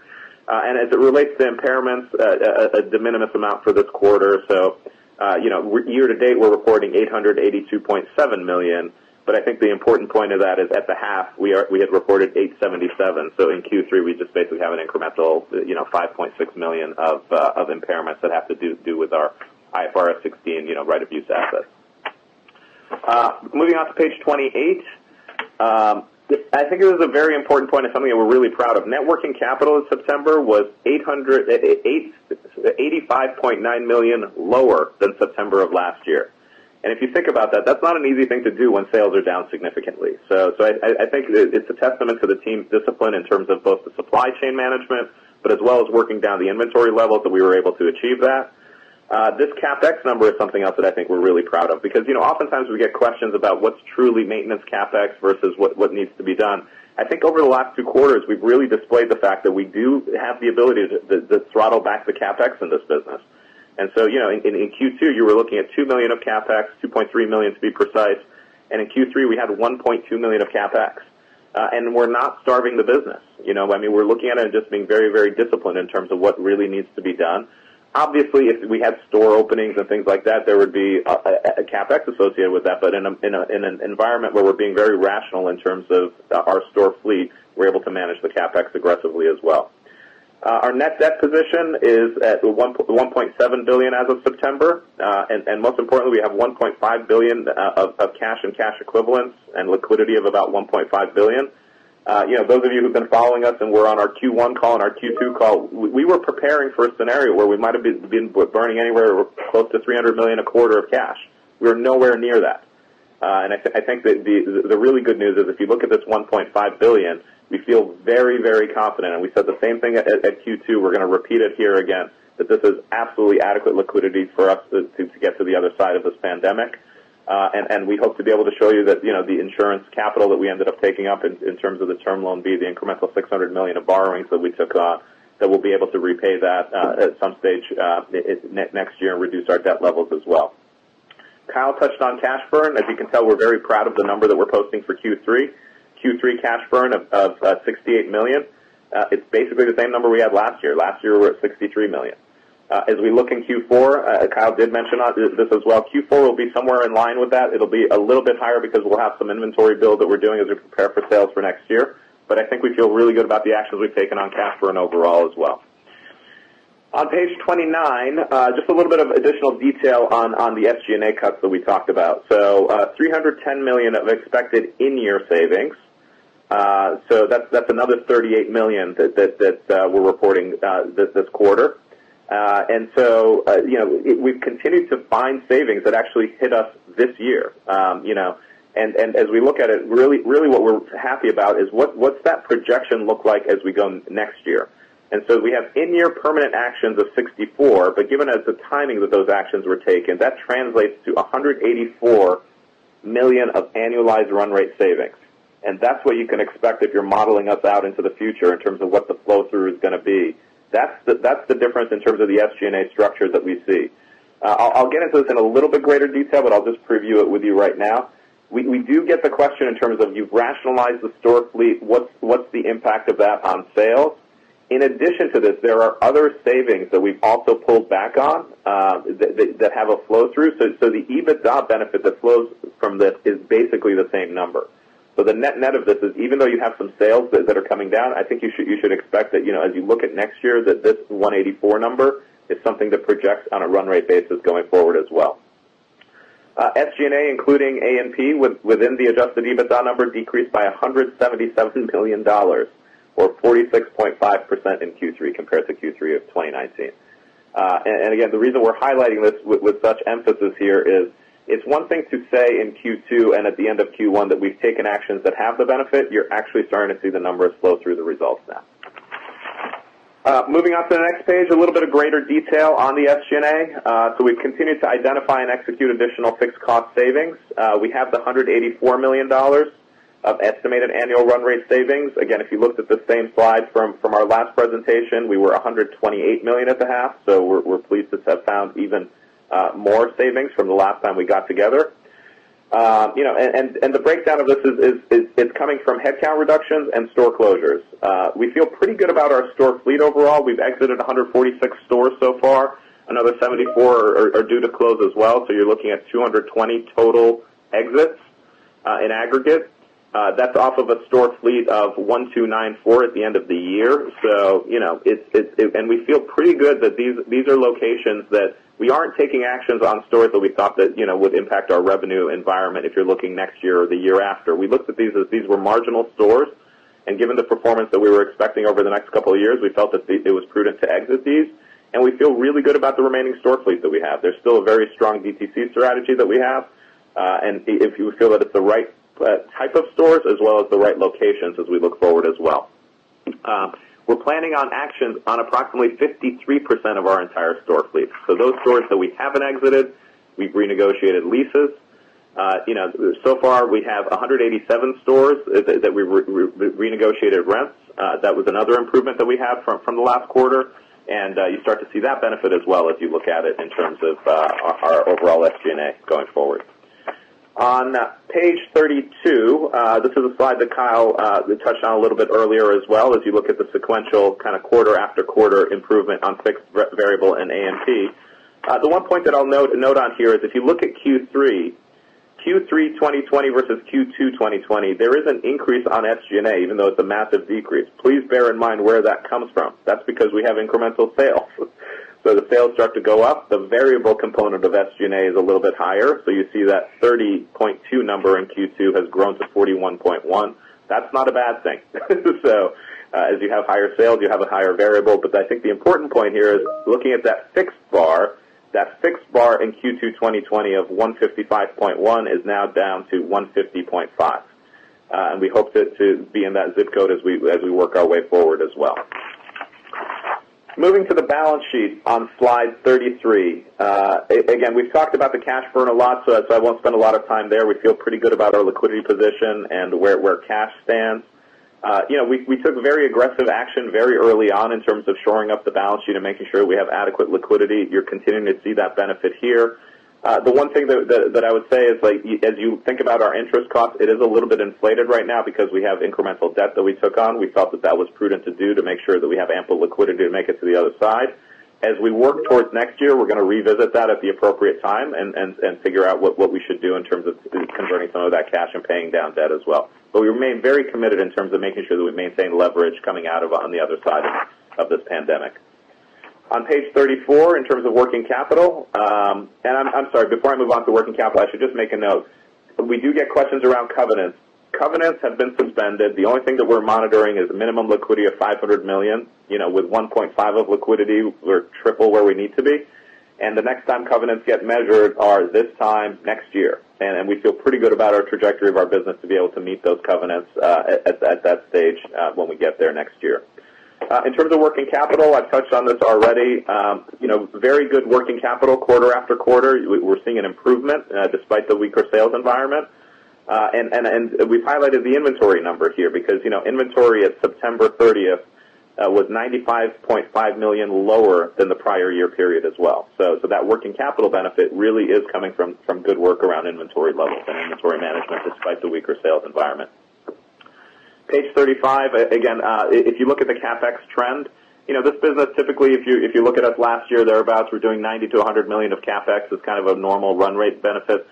As it relates to impairments, a de minimis amount for this quarter. Year-to-date, we're reporting $882.7 million. I think the important point of that is at the half, we had reported $877 million. In Q3, we just basically have an incremental $5.6 million of impairments that have to do with our IFRS 16 right of use assets. Moving on to page 28. I think it was a very important point and something that we're really proud of. Net working capital in September was $85.9 million lower than September of last year. If you think about that's not an easy thing to do when sales are down significantly. I think it's a testament to the team's discipline in terms of both the supply chain management, as well as working down the inventory levels that we were able to achieve that. This CapEx number is something else that I think we are really proud of because oftentimes we get questions about what is truly maintenance CapEx versus what needs to be done. I think over the last two quarters, we have really displayed the fact that we do have the ability to throttle back the CapEx in this business. In Q2, you were looking at $2 million of CapEx, $2.3 million to be precise. In Q3, we had $1.2 million of CapEx. We are not starving the business. We are looking at it and just being very disciplined in terms of what really needs to be done. Obviously, if we had store openings and things like that, there would be a CapEx associated with that. In an environment where we are being very rational in terms of our store fleet, we are able to manage the CapEx aggressively as well. Our net debt position is at $1.7 billion as of September. Most importantly, we have $1.5 billion of cash and cash equivalents and liquidity of about $1.5 billion. Those of you who've been following us and were on our Q1 call and our Q2 call, we were preparing for a scenario where we might have been burning anywhere close to $300 million a quarter of cash. We are nowhere near that. I think the really good news is if you look at this $1.5 billion, we feel very confident, and we said the same thing at Q2, we're going to repeat it here again, that this is absolutely adequate liquidity for us to get to the other side of this pandemic. We hope to be able to show you that the insurance capital that we ended up taking up in terms of the Term Loan B, the incremental $600 million of borrowings that we took on, that we'll be able to repay that at some stage next year and reduce our debt levels as well. Kyle touched on cash burn. As you can tell, we're very proud of the number that we're posting for Q3. Q3 cash burn of $68 million. It's basically the same number we had last year. Last year, we were at $63 million. As we look in Q4, Kyle did mention this as well, Q4 will be somewhere in line with that. It'll be a little bit higher because we'll have some inventory build that we're doing as we prepare for sales for next year. I think we feel really good about the actions we've taken on cash burn overall as well. On page 29, just a little bit of additional detail on the SG&A cuts that we talked about. $310 million of expected in-year savings. That's another $38 million that we're reporting this quarter. We've continued to find savings that actually hit us this year. As we look at it, really what we're happy about is what's that projection look like as we go next year. We have in-year permanent actions of $64, but given as the timing that those actions were taken, that translates to $184 million of annualized run rate savings. That's what you can expect if you're modeling us out into the future in terms of what the flow-through is going to be. That's the difference in terms of the SG&A structures that we see. I'll get into this in a little bit greater detail, but I'll just preview it with you right now. We do get the question in terms of you've rationalized the store fleet, what's the impact of that on sales? In addition to this, there are other savings that we've also pulled back on that have a flow through. The EBITDA benefit that flows from this is basically the same number. The net of this is, even though you have some sales that are coming down, I think you should expect that as you look at next year, that this 184 number is something that projects on a run rate basis going forward as well. SG&A, including A&P, within the adjusted EBITDA number, decreased by $177 million, or 46.5% in Q3 compared to Q3 of 2019. Again, the reason we're highlighting this with such emphasis here is it's one thing to say in Q2 and at the end of Q1 that we've taken actions that have the benefit. You're actually starting to see the numbers flow through the results now. Moving on to the next page, a little bit of greater detail on the SG&A. We've continued to identify and execute additional fixed cost savings. We have the $184 million of estimated annual run rate savings. Again, if you looked at the same slide from our last presentation, we were $128 million at the half, so we're pleased to have found even more savings from the last time we got together. The breakdown of this is coming from headcount reductions and store closures. We feel pretty good about our store fleet overall. We've exited 146 stores so far. Another 74 are due to close as well, so you're looking at 220 total exits in aggregate. That's off of a store fleet of 1,294 at the end of the year. We feel pretty good that these are locations that we aren't taking actions on stores that we thought that would impact our revenue environment if you're looking next year or the year after. We looked at these as these were marginal stores. Given the performance that we were expecting over the next couple of years, we felt that it was prudent to exit these. We feel really good about the remaining store fleet that we have. There's still a very strong DTC strategy that we have. We feel that it's the right type of stores as well as the right locations as we look forward as well. We're planning on actions on approximately 53% of our entire store fleet. Those stores that we haven't exited, we've renegotiated leases. So far we have 187 stores that we renegotiated rents. That was another improvement that we have from the last quarter. You start to see that benefit as well as you look at it in terms of our overall SG&A going forward. On page 32, this is a slide that Kyle touched on a little bit earlier as well, as you look at the sequential quarter-after-quarter improvement on fixed, variable, and A&P. The one point that I'll note on here is if you look at Q3 2020 versus Q2 2020, there is an increase on SG&A, even though it's a massive decrease. Please bear in mind where that comes from. That's because we have incremental sales. The sales start to go up, the variable component of SG&A is a little bit higher. You see that $30.2 number in Q2 has grown to $41.1. That's not a bad thing. As you have higher sales, you have a higher variable, I think the important point here is looking at that fixed bar, that fixed bar in Q2 2020 of $155.1 is now down to $150.5. We hope to be in that zip code as we work our way forward as well. Moving to the balance sheet on slide 33. Again, we've talked about the cash burn a lot, so I won't spend a lot of time there. We feel pretty good about our liquidity position and where cash stands. We took very aggressive action very early on in terms of shoring up the balance sheet and making sure that we have adequate liquidity. You're continuing to see that benefit here. The one thing that I would say is, as you think about our interest cost, it is a little bit inflated right now because we have incremental debt that we took on. We felt that that was prudent to do to make sure that we have ample liquidity to make it to the other side. As we work towards next year, we're going to revisit that at the appropriate time and figure out what we should do in terms of converting some of that cash and paying down debt as well. We remain very committed in terms of making sure that we maintain leverage coming out of on the other side of this pandemic. On page 34, in terms of working capital. I'm sorry, before I move on to working capital, I should just make a note. We do get questions around covenants. Covenants have been suspended. The only thing that we're monitoring is a minimum liquidity of $500 million. With $1.5 of liquidity, we're triple where we need to be. The next time covenants get measured are this time next year. We feel pretty good about our trajectory of our business to be able to meet those covenants at that stage when we get there next year. In terms of working capital, I've touched on this already. Very good working capital quarter after quarter. We're seeing an improvement despite the weaker sales environment. We've highlighted the inventory numbers here, because inventory at September 30th was $95.5 million lower than the prior year period as well. That working capital benefit really is coming from good work around inventory levels and inventory management despite the weaker sales environment. Page 35, again, if you look at the CapEx trend, this business, typically, if you look at us last year, thereabouts, we're doing $90 million-$100 million of CapEx as kind of a normal run rate benefit.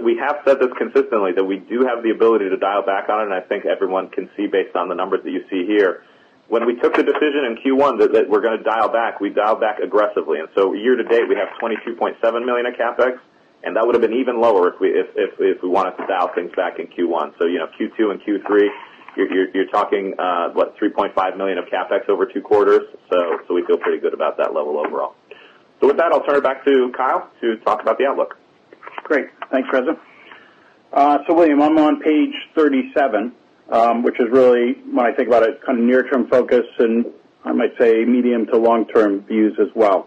We have said this consistently, that we do have the ability to dial back on it, and I think everyone can see based on the numbers that you see here. When we took the decision in Q1 that we're going to dial back, we dialed back aggressively. Year-to-date, we have $22.7 million of CapEx, and that would've been even lower if we wanted to dial things back in Q1. Q2 and Q3, you're talking, what, $3.5 million of CapEx over two quarters. We feel pretty good about that level overall. With that, I'll turn it back to Kyle to talk about the outlook. Great. Thanks, Reza. William, I'm on page 37, which is really, when I think about it, kind of near-term focus and I might say medium to long-term views as well.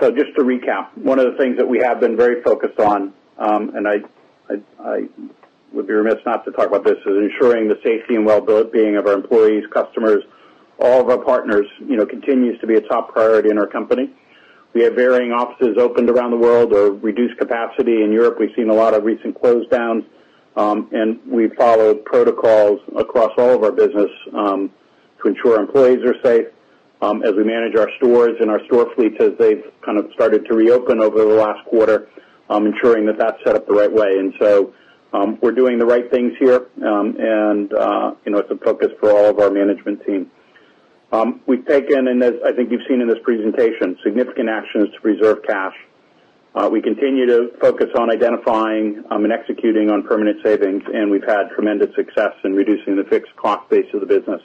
Just to recap, one of the things that we have been very focused on, and I would be remiss not to talk about this, is ensuring the safety and well-being of our employees, customers, all of our partners, continues to be a top priority in our company. We have varying offices opened around the world or reduced capacity. In Europe, we've seen a lot of recent closedowns. We've followed protocols across all of our business to ensure employees are safe as we manage our stores and our store fleets as they've kind of started to reopen over the last quarter, ensuring that that's set up the right way. We're doing the right things here. It's a focus for all of our management team. We've taken, and as I think you've seen in this presentation, significant actions to preserve cash. We continue to focus on identifying and executing on permanent savings, and we've had tremendous success in reducing the fixed cost base of the business.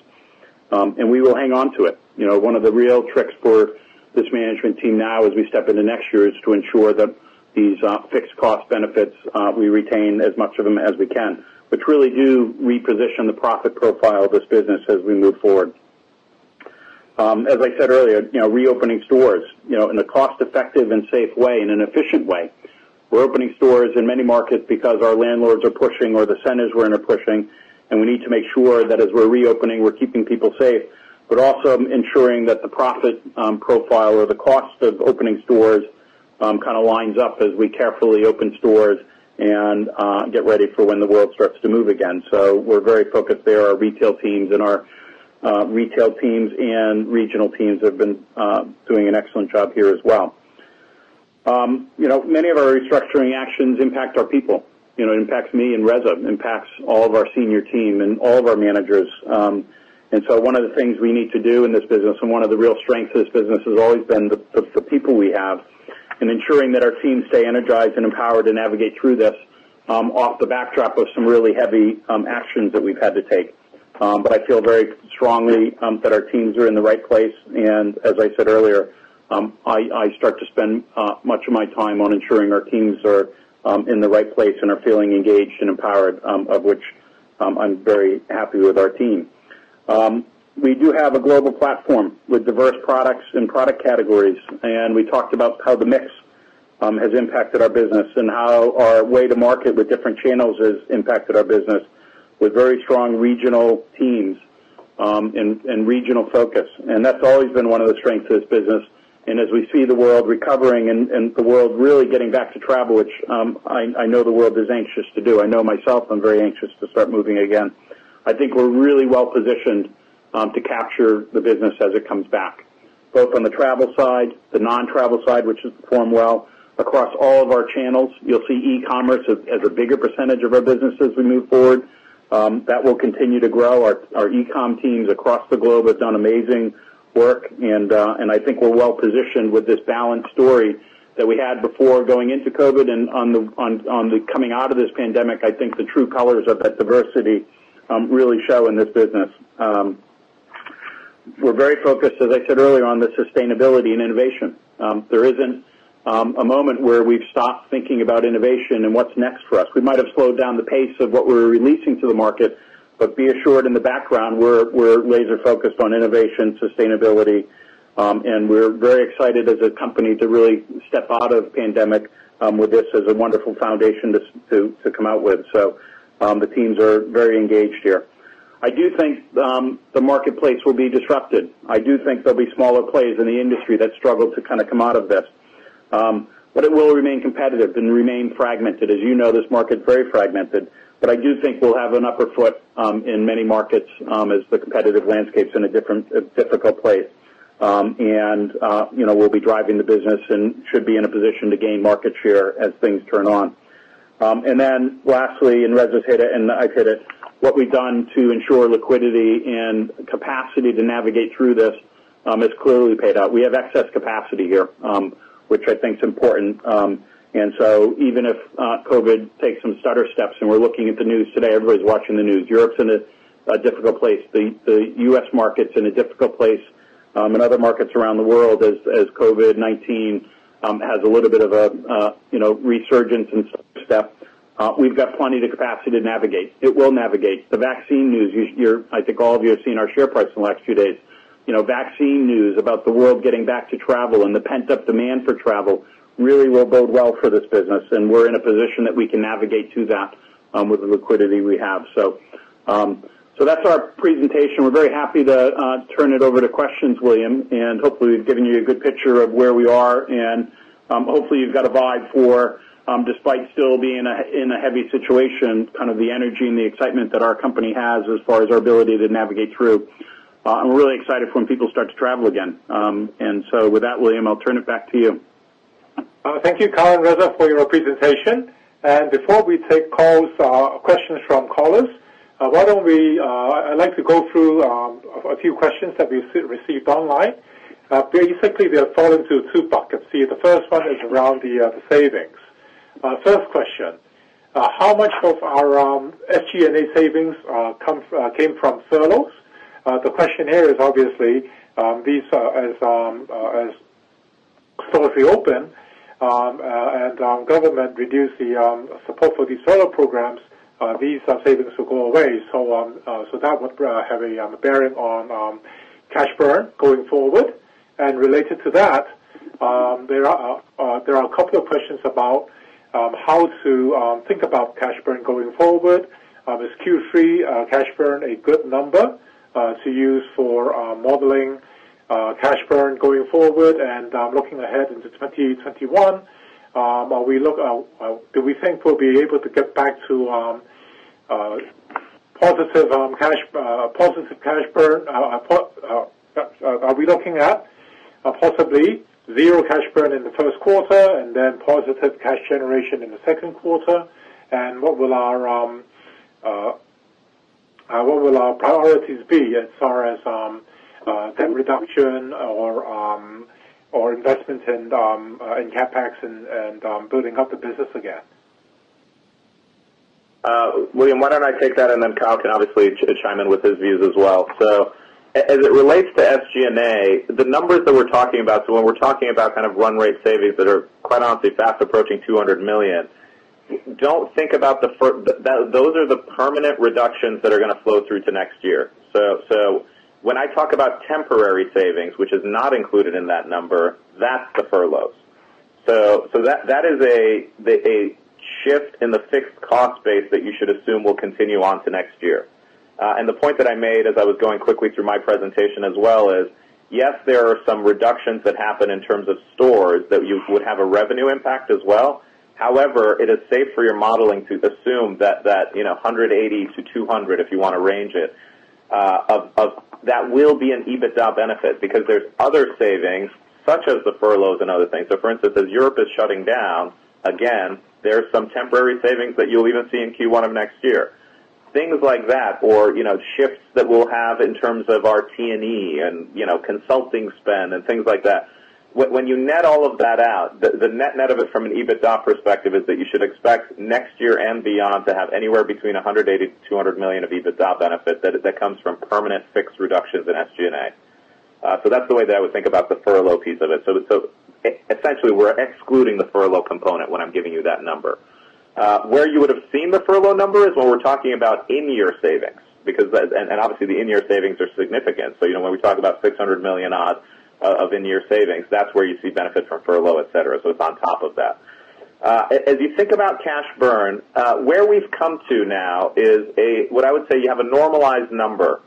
We will hang on to it. One of the real tricks for this management team now as we step into next year is to ensure that these fixed cost benefits, we retain as much of them as we can, which really do reposition the profit profile of this business as we move forward. As I said earlier, reopening stores in a cost-effective and safe way, in an efficient way. We're opening stores in many markets because our landlords are pushing or the centers we're in are pushing, and we need to make sure that as we're reopening, we're keeping people safe, but also ensuring that the profit profile or the cost of opening stores kind of lines up as we carefully open stores and get ready for when the world starts to move again. We're very focused there. Our retail teams and regional teams have been doing an excellent job here as well. Many of our restructuring actions impact our people. It impacts me and Reza. It impacts all of our senior team and all of our managers. One of the things we need to do in this business and one of the real strengths of this business has always been the people we have and ensuring that our teams stay energized and empowered to navigate through this off the backdrop of some really heavy actions that we've had to take. I feel very strongly that our teams are in the right place and as I said earlier, I start to spend much of my time on ensuring our teams are in the right place and are feeling engaged and empowered, of which I'm very happy with our team. We do have a global platform with diverse products and product categories, and we talked about how the mix has impacted our business and how our way to market with different channels has impacted our business with very strong regional teams and regional focus. That's always been one of the strengths of this business. As we see the world recovering and the world really getting back to travel, which I know the world is anxious to do. I know myself, I'm very anxious to start moving again. I think we're really well positioned to capture the business as it comes back, both on the travel side, the non-travel side, which has performed well across all of our channels. You'll see e-commerce as a bigger percentage of our business as we move forward. That will continue to grow. Our e-com teams across the globe have done amazing work, and I think we're well positioned with this balanced story that we had before going into COVID and on the coming out of this pandemic, I think the true colors of that diversity really show in this business. We're very focused, as I said earlier, on the sustainability and innovation. There isn't a moment where we've stopped thinking about innovation and what's next for us. We might have slowed down the pace of what we're releasing to the market, but be assured in the background, we're laser focused on innovation, sustainability, and we're very excited as a company to really step out of pandemic with this as a wonderful foundation to come out with. The teams are very engaged here. I do think the marketplace will be disrupted. I do think there'll be smaller plays in the industry that struggle to kind of come out of this. It will remain competitive and remain fragmented. As you know, this market's very fragmented. I do think we'll have an upper hand in many markets as the competitive landscape's in a difficult place. We'll be driving the business and should be in a position to gain market share as things turn on. Lastly, and Reza's hit it and I've hit it, what we've done to ensure liquidity and capacity to navigate through this has clearly paid out. We have excess capacity here, which I think is important. Even if COVID takes some stutter steps and we're looking at the news today, everybody's watching the news. Europe's in a difficult place. The U.S. market's in a difficult place, and other markets around the world as COVID-19 has a little bit of a resurgence in some steps. We've got plenty of the capacity to navigate. It will navigate. The vaccine news, I think all of you have seen our share price in the last few days. Vaccine news about the world getting back to travel and the pent-up demand for travel really will bode well for this business. We're in a position that we can navigate to that with the liquidity we have. That's our presentation. We're very happy to turn it over to questions, William, and hopefully we've given you a good picture of where we are, and hopefully you've got a vibe for despite still being in a heavy situation, kind of the energy and the excitement that our company has as far as our ability to navigate through. I'm really excited for when people start to travel again. With that, William, I'll turn it back to you. Thank you, Kyle and Reza, for your presentation. Before we take questions from callers, I'd like to go through a few questions that we've received online. Basically, they fall into two buckets here. The first one is around the savings. First question, how much of our SG&A savings came from furloughs? The question here is obviously, as stores reopen, and government reduce the support for these furlough programs, these savings will go away. That would have a bearing on cash burn going forward. Related to that, there are a couple of questions about how to think about cash burn going forward. Is Q3 cash burn a good number to use for modeling cash burn going forward? Looking ahead into 2021, do we think we'll be able to get back to positive cash burn? Are we looking at possibly zero cash burn in the Q1 and then positive cash generation in the Q2? What will our priorities be as far as debt reduction or investment in CapEx and building up the business again? William, why don't I take that and then Kyle can obviously chime in with his views as well. As it relates to SG&A, the numbers that we're talking about, so when we're talking about kind of run rate savings that are, quite honestly, fast approaching $200 million, those are the permanent reductions that are going to flow through to next year. When I talk about temporary savings, which is not included in that number, that's the furloughs. The point that I made as I was going quickly through my presentation as well is, yes, there are some reductions that happen in terms of stores that you would have a revenue impact as well. It is safe for your modeling to assume that $180 million-$200 million, if you want to range it, that will be an EBITDA benefit because there's other savings such as the furloughs and other things. For instance, as Europe is shutting down, again, there's some temporary savings that you'll even see in Q1 of next year. Things like that, or shifts that we'll have in terms of our T&E and consulting spend and things like that. When you net all of that out, the net-net of it from an EBITDA perspective is that you should expect next year and beyond to have anywhere between $180 million-$200 million of EBITDA benefit that comes from permanent fixed reductions in SG&A. That's the way that I would think about the furlough piece of it. Essentially, we're excluding the furlough component when I'm giving you that number. Where you would've seen the furlough numbers, where we're talking about in-year savings, and obviously the in-year savings are significant. When we talk about $600 million odd of in-year savings, that's where you see benefit from furlough, et cetera. It's on top of that. As you think about cash burn, where we've come to now is what I would say you have a normalized number,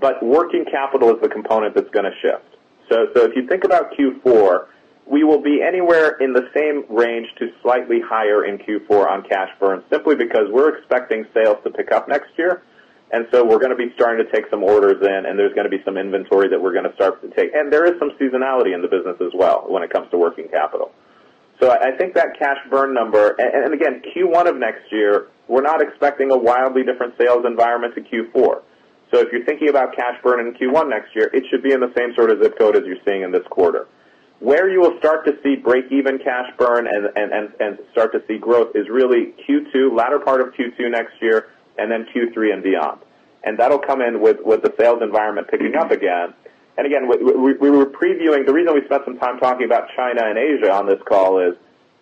but working capital is the component that's going to shift. If you think about Q4, we will be anywhere in the same range to slightly higher in Q4 on cash burn, simply because we're expecting sales to pick up next year. We're going to be starting to take some orders in, and there's going to be some inventory that we're going to start to take. There is some seasonality in the business as well when it comes to working capital. I think that cash burn number, and again, Q1 of next year, we're not expecting a wildly different sales environment to Q4. If you're thinking about cash burn in Q1 next year, it should be in the same sort of zip code as you're seeing in this quarter. Where you will start to see breakeven cash burn and start to see growth is really latter part of Q2 next year and then Q3 and beyond. That'll come in with the sales environment picking up again. Again, the reason we spent some time talking about China and Asia on this call is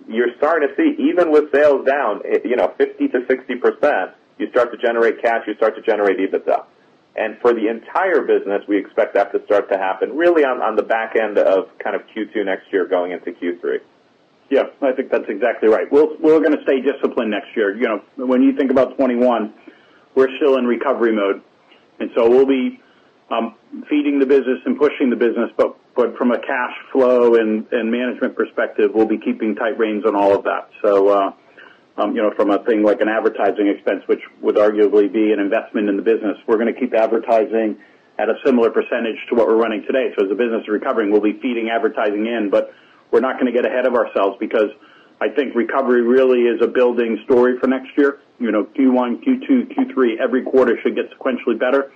you're starting to see, even with sales down 50%-60%, you start to generate cash, you start to generate EBITDA. For the entire business, we expect that to start to happen really on the back end of kind of Q2 next year going into Q3. Yeah, I think that's exactly right. We're going to stay disciplined next year. When you think about 2021, we're still in recovery mode, we'll be feeding the business and pushing the business, but from a cash flow and management perspective, we'll be keeping tight reins on all of that. From a thing like an advertising expense, which would arguably be an investment in the business, we're going to keep advertising at a similar percentage to what we're running today. As the business is recovering, we'll be feeding advertising in, but we're not going to get ahead of ourselves because I think recovery really is a building story for next year. Q1, Q2, Q3, every quarter should get sequentially better.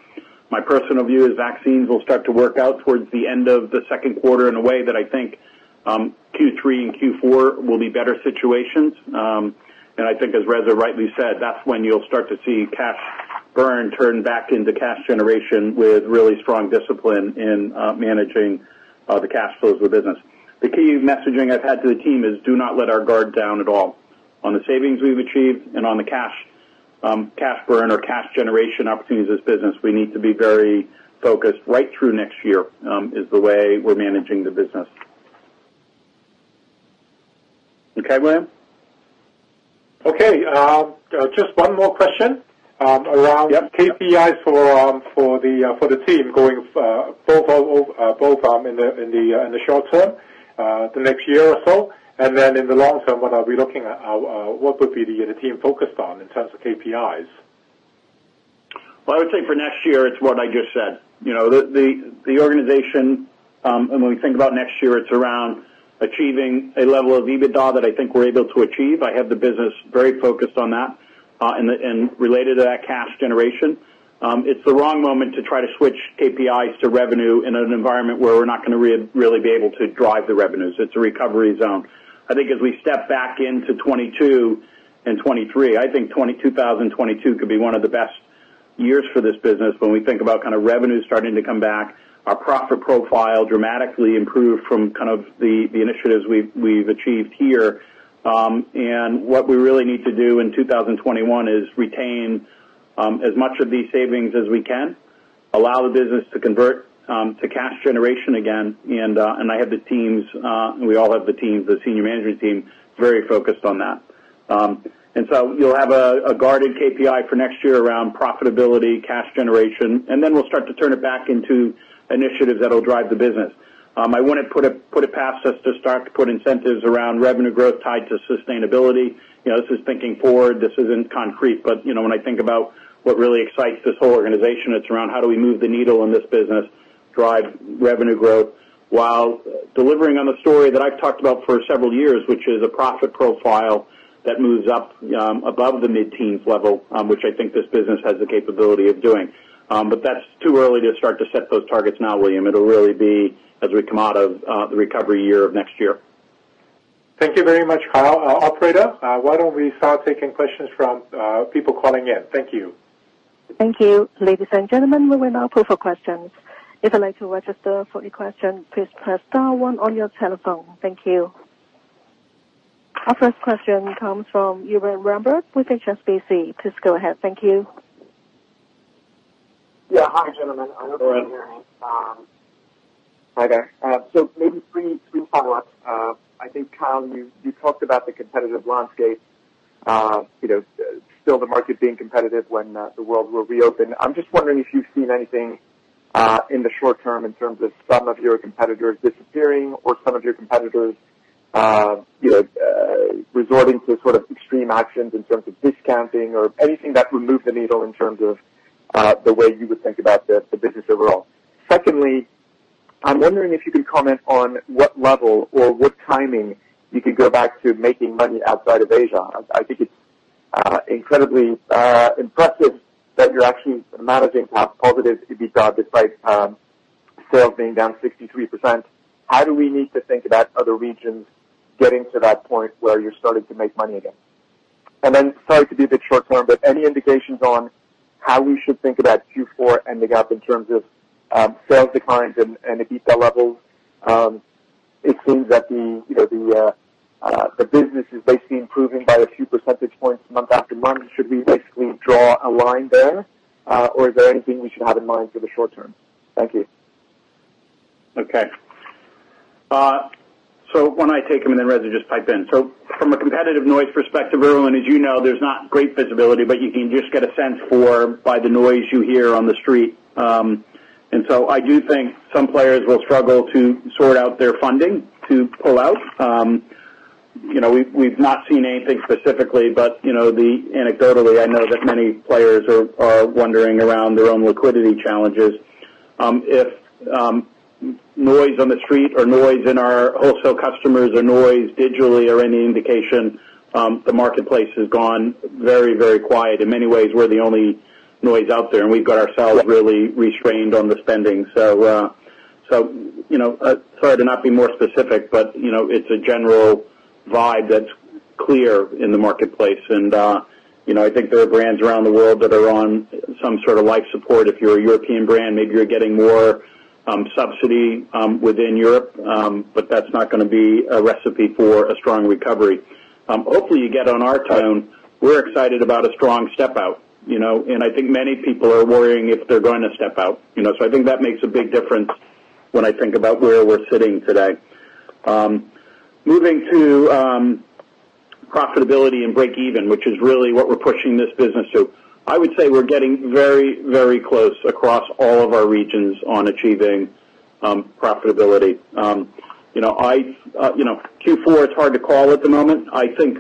My personal view is vaccines will start to work out towards the end of the Q2 in a way that I think Q3 and Q4 will be better situations. I think as Reza rightly said, that's when you'll start to see cash burn turn back into cash generation with really strong discipline in managing the cash flows of the business. The key messaging I've had to the team is do not let our guard down at all. On the savings we've achieved and on the cash burn or cash generation opportunities as business, we need to be very focused right through next year, is the way we're managing the business. Okay, William? Okay. Just one more question. Yep. Around KPIs for the team going both in the short term, the next year or so, and then in the long term, what are we looking at? What would be the team focused on in terms of KPIs? Well, I would say for next year, it's what I just said. The organization, and when we think about next year, it's around achieving a level of EBITDA that I think we're able to achieve. I have the business very focused on that. Related to that, cash generation. It's the wrong moment to try to switch KPIs to revenue in an environment where we're not going to really be able to drive the revenues. It's a recovery zone. I think as we step back into 2022 and 2023, I think 2022 could be one of the best years for this business when we think about revenue starting to come back. Our profit profile dramatically improved from the initiatives we've achieved here. What we really need to do in 2021 is retain as much of these savings as we can, allow the business to convert to cash generation again, and we all have the senior management team very focused on that. You'll have a guarded KPI for next year around profitability, cash generation, and then we'll start to turn it back into initiatives that'll drive the business. I wouldn't put it past us to start to put incentives around revenue growth tied to sustainability. This is thinking forward. This isn't concrete. When I think about what really excites this whole organization, it's around how do we move the needle in this business, drive revenue growth while delivering on the story that I've talked about for several years, which is a profit profile that moves up above the mid-teens level, which I think this business has the capability of doing. That's too early to start to set those targets now, William. It'll really be as we come out of the recovery year of next year. Thank you very much, Kyle. Operator, why don't we start taking questions from people calling in? Thank you. Thank you. Ladies and gentlemen, we will now open for questions. If you'd like to register for any question, please press star one on your telephone. Thank you. Our first question comes from Erwan Rambourg with HSBC. Please go ahead. Thank you. Yeah. Hi, gentlemen. Erwan. I hope you can hear me. Hi there. Maybe three follow-ups. I think, Kyle, you talked about the competitive landscape, still the market being competitive when the world will reopen. I'm just wondering if you've seen anything in the short term in terms of some of your competitors disappearing or some of your competitors resorting to sort of extreme actions in terms of discounting or anything that would move the needle in terms of the way you would think about the business overall. Secondly, I'm wondering if you can comment on what level or what timing you could go back to making money outside of Asia. I think it's incredibly impressive that you're actually managing positive EBITDA despite sales being down 63%. How do we need to think about other regions getting to that point where you're starting to make money again? Then, sorry to be a bit short term, but any indications on how we should think about Q4 ending up in terms of sales declines and EBITDA levels? It seems that the business is basically improving by a few percentage points month after month. Should we basically draw a line there? Or is there anything we should have in mind for the short term? Thank you. Okay. Why don't I take them and then Reza, just pipe in. From a competitive noise perspective, Erwan, as you know, there's not great visibility, but you can just get a sense for by the noise you hear on The Street. I do think some players will struggle to sort out their funding to pull out. We've not seen anything specifically, but anecdotally, I know that many players are wondering around their own liquidity challenges. If noise on The Street or noise in our wholesale customers or noise digitally are any indication, the marketplace has gone very quiet. In many ways, we're the only noise out there, and we've got ourselves really restrained on the spending. Sorry to not be more specific, but it's a general vibe that's clear in the marketplace. I think there are brands around the world that are on some sort of life support. If you're a European brand, maybe you're getting more subsidy within Europe. That's not going to be a recipe for a strong recovery. Hopefully, you get on our tone. We're excited about a strong step out. I think many people are worrying if they're going to step out. I think that makes a big difference when I think about where we're sitting today. Moving to profitability and break even, which is really what we're pushing this business to. I would say we're getting very close across all of our regions on achieving profitability. Q4, it's hard to call at the moment. I think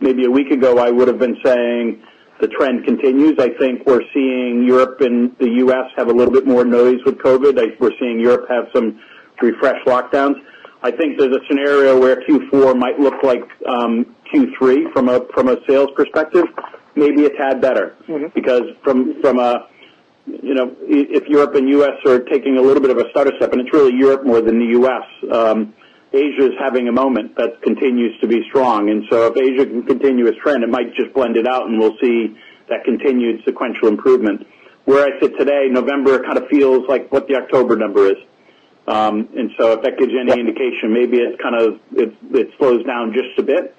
maybe a week ago, I would've been saying the trend continues. I think we're seeing Europe and the U.S. have a little bit more noise with COVID. We're seeing Europe have some refresh lockdowns. I think there's a scenario where Q4 might look like Q3 from a sales perspective, maybe a tad better. Because if Europe and U.S. are taking a little bit of a stutter step, and it's really Europe more than the U.S., Asia is having a moment that continues to be strong. If Asia can continue its trend, it might just blend it out and we'll see that continued sequential improvement. Where I sit today, November feels like what the October number is. If that gives you any indication, maybe it slows down just a bit.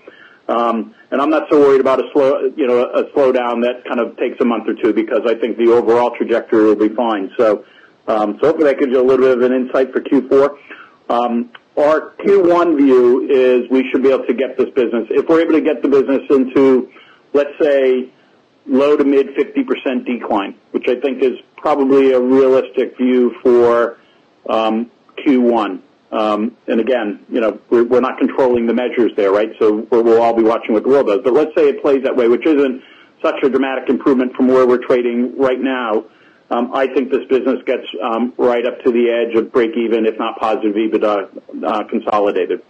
I'm not so worried about a slowdown that takes a month or two because I think the overall trajectory will be fine. Hopefully that gives you a little bit of an insight for Q4. Our Q1 view is we should be able to get this business. If we're able to get the business into, let's say, low to mid 50% decline, which I think is probably a realistic view for Q1. Again, we're not controlling the measures there, right? We'll all be watching what the world does. Let's say it plays that way, which isn't such a dramatic improvement from where we're trading right now. I think this business gets right up to the edge of break even, if not positive EBITDA consolidated.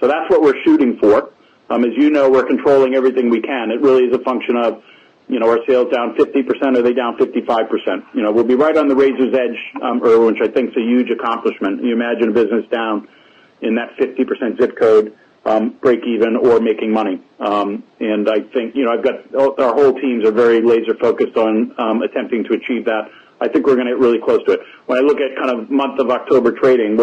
That's what we're shooting for. As you know, we're controlling everything we can. It really is a function of our sales down 50%, are they down 55%? We'll be right on the razor's edge, Erwan, which I think is a huge accomplishment. Can you imagine a business down in that 50% zip code, break even or making money? I think our whole teams are very laser-focused on attempting to achieve that. I think we're going to get really close to it. When I look at month of October trading,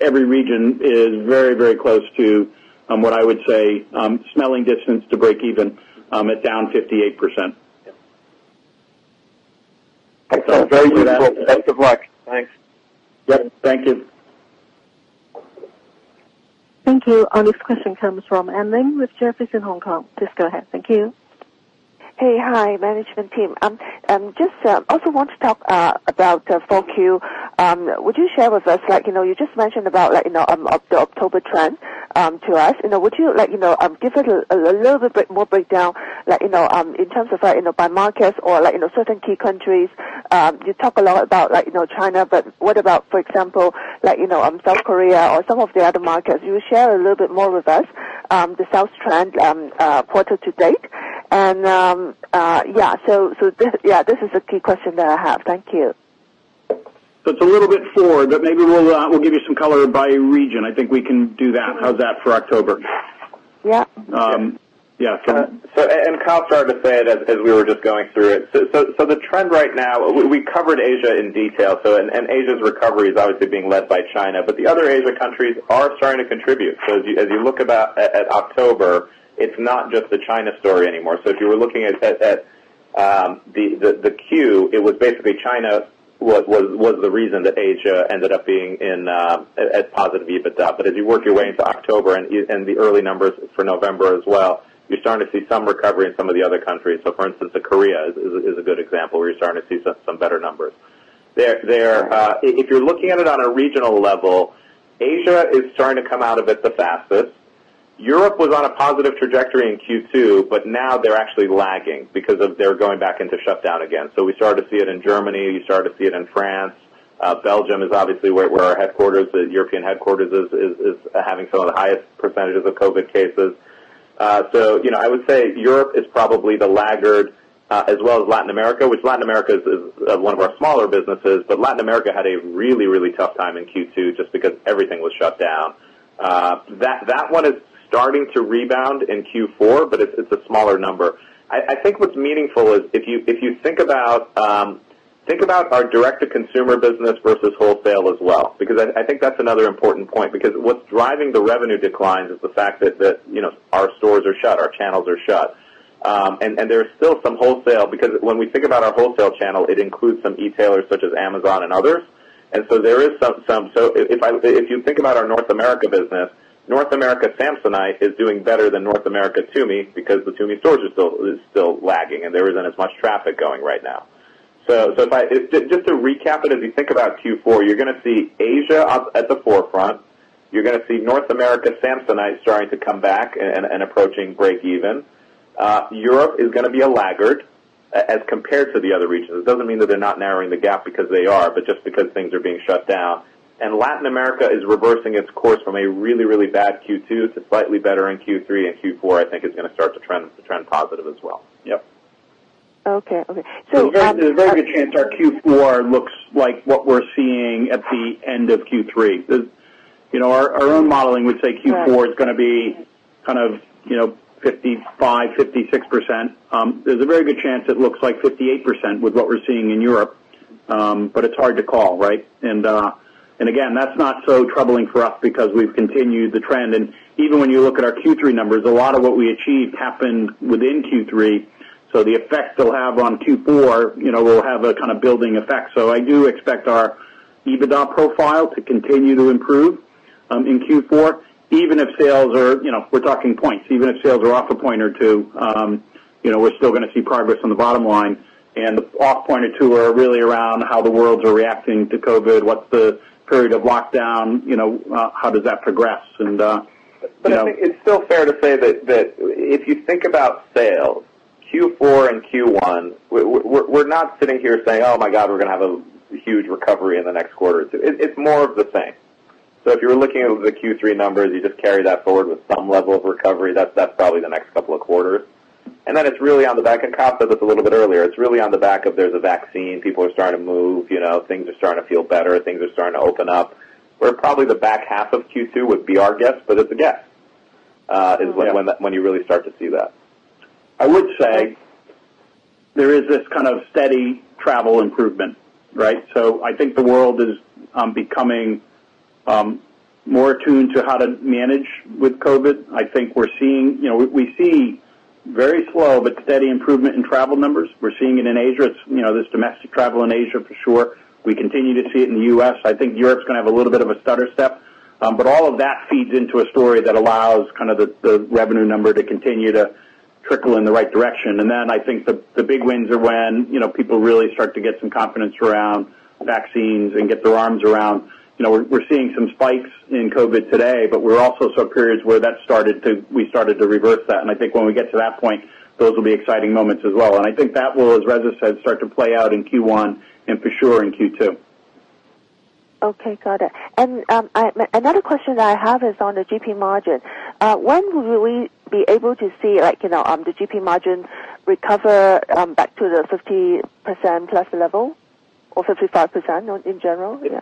every region is very close to what I would say, smelling distance to break even at down 58%. Excellent. Very useful. Best of luck. Thanks. Yep. Thank you. Thank you. Our next question comes from Anne Ling with Jefferies in Hong Kong. Please go ahead. Thank you. Hey. Hi, management team. I also want to talk about 4Q. Would you share with us? You just mentioned about the October trend to us. Would you give it a little bit more breakdown in terms of by market or certain key countries. You talk a lot about China, but what about, for example South Korea or some of the other markets? You share a little bit more with us the sales trend quarter to date. This is a key question that I have. Thank you. It's a little bit forward, but maybe we'll give you some color by region. I think we can do that. How's that for October? Yeah. Yeah. Kyle started to say it as we were just going through it. The trend right now, we covered Asia in detail. Asia's recovery is obviously being led by China, but the other Asia countries are starting to contribute. As you look about at October, it's not just the China story anymore. If you were looking at the Q, it was basically China was the reason that Asia ended up being at positive EBITDA. As you work your way into October and the early numbers for November as well, you're starting to see some recovery in some of the other countries. For instance, Korea is a good example where you're starting to see some better numbers. If you're looking at it on a regional level, Asia is starting to come out of it the fastest. Europe was on a positive trajectory in Q2, but now they're actually lagging because they're going back into shutdown again. We started to see it in Germany, you started to see it in France. Belgium is obviously where our European headquarters is having some of the highest percentages of COVID cases. I would say Europe is probably the laggard as well as Latin America, which Latin America is one of our smaller businesses, but Latin America had a really tough time in Q2 just because everything was shut down. That one is starting to rebound in Q4, but it's a smaller number. I think what's meaningful is if you think about our direct-to-consumer business versus wholesale as well, because I think that's another important point, because what's driving the revenue declines is the fact that our stores are shut, our channels are shut. There's still some wholesale because when we think about our wholesale channel, it includes some e-tailers such as Amazon and others. If you think about our North America business, North America Samsonite is doing better than North America Tumi because the Tumi stores are still lagging and there isn't as much traffic going right now. Just to recap it, as you think about Q4, you're going to see Asia up at the forefront. You're going to see North America Samsonite starting to come back and approaching break even. Europe is going to be a laggard as compared to the other regions. It doesn't mean that they're not narrowing the gap because they are, but just because things are being shut down. Latin America is reversing its course from a really bad Q2 to slightly better in Q3 and Q4, I think is going to start to trend positive as well. Yep. Okay. There's a very good chance our Q4 looks like what we're seeing at the end of Q3. Our own modeling would say Q4 is going to be 55%-56%. There's a very good chance it looks like 58% with what we're seeing in Europe. It's hard to call, right? Again, that's not so troubling for us because we've continued the trend. Even when you look at our Q3 numbers, a lot of what we achieved happened within Q3. The effects it'll have on Q4, will have a kind of building effect. I do expect our EBITDA profile to continue to improve in Q4, even if sales, we're talking points, even if sales are off a point or two, we're still going to see progress on the bottom line. Off point or two are really around how the worlds are reacting to COVID, what's the period of lockdown, how does that progress. I think it's still fair to say that if you think about sales, Q4 and Q1, we're not sitting here saying, "Oh my God, we're going to have a huge recovery in the next quarter or two." It's more of the same. If you were looking at the Q3 numbers, you just carry that forward with some level of recovery. That's probably the next couple of quarters. Then it's really on the back, and Kyle said this a little bit earlier, it's really on the back of there's a vaccine, people are starting to move, things are starting to feel better, things are starting to open up, where probably the back half of Q2 would be our guess, but it's a guess. Yeah. Is when you really start to see that. I would say there is this kind of steady travel improvement, right? I think the world is becoming more attuned to how to manage with COVID. I think we see very slow but steady improvement in travel numbers. We're seeing it in Asia. There's domestic travel in Asia, for sure. We continue to see it in the U.S. I think Europe's going to have a little bit of a stutter step. All of that feeds into a story that allows the revenue number to continue to trickle in the right direction. I think the big wins are when people really start to get some confidence around vaccines and get their arms around. We're seeing some spikes in COVID today, but we also saw periods where we started to reverse that. I think when we get to that point, those will be exciting moments as well. I think that will, as Reza said, start to play out in Q1, and for sure in Q2. Okay, got it. Another question that I have is on the GP margin. When will we be able to see the GP margin recover back to the 50%-plus level or 55% in general? Yeah.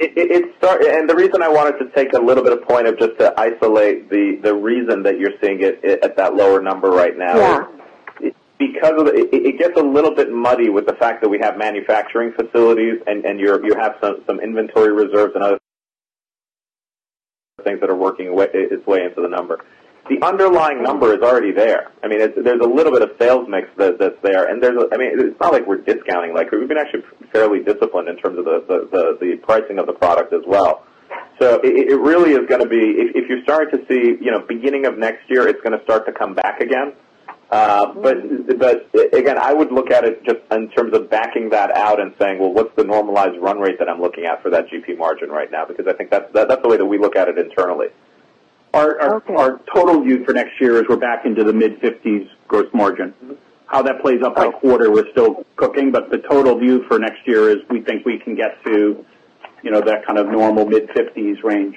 The reason I wanted to take a little bit of point of just to isolate the reason that you're seeing it at that lower number right now. Yeah. It gets a little bit muddy with the fact that we have manufacturing facilities and you have some inventory reserves and other things that are working its way into the number. The underlying number is already there. There's a little bit of sales mix that's there. It's not like we're discounting. We've been actually fairly disciplined in terms of the pricing of the product as well. It really is going to be, if you start to see beginning of next year, it's going to start to come back again. Again, I would look at it just in terms of backing that out and saying, "Well, what's the normalized run rate that I'm looking at for that GP margin right now?" I think that's the way that we look at it internally. Okay. Our total view for next year is we're back into the mid-50s gross margin. How that plays out by quarter, we're still cooking, but the total view for next year is we think we can get to that kind of normal mid-50s range.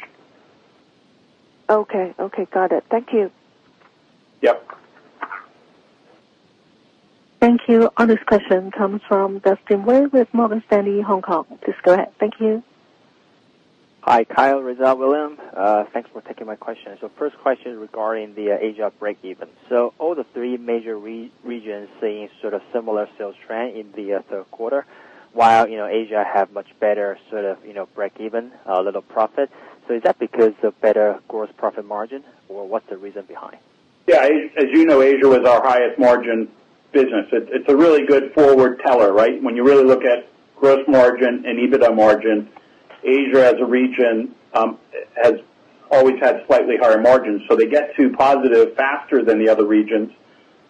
Okay. Got it. Thank you. Yep. Thank you. Our next question comes from Dustin Wei with Morgan Stanley, Hong Kong. Please go ahead. Thank you. Hi, Kyle, Reza, William. Thanks for taking my question. First question regarding the Asia break even. All the three major regions seeing sort of similar sales trend in the Q3, while Asia have much better sort of break even, a little profit. Is that because of better gross profit margin, or what's the reason behind? Yeah. As you know, Asia was our highest margin business. It's a really good forward teller, right? When you really look at gross margin and EBITDA margin, Asia as a region has always had slightly higher margins. They get to positive faster than the other regions,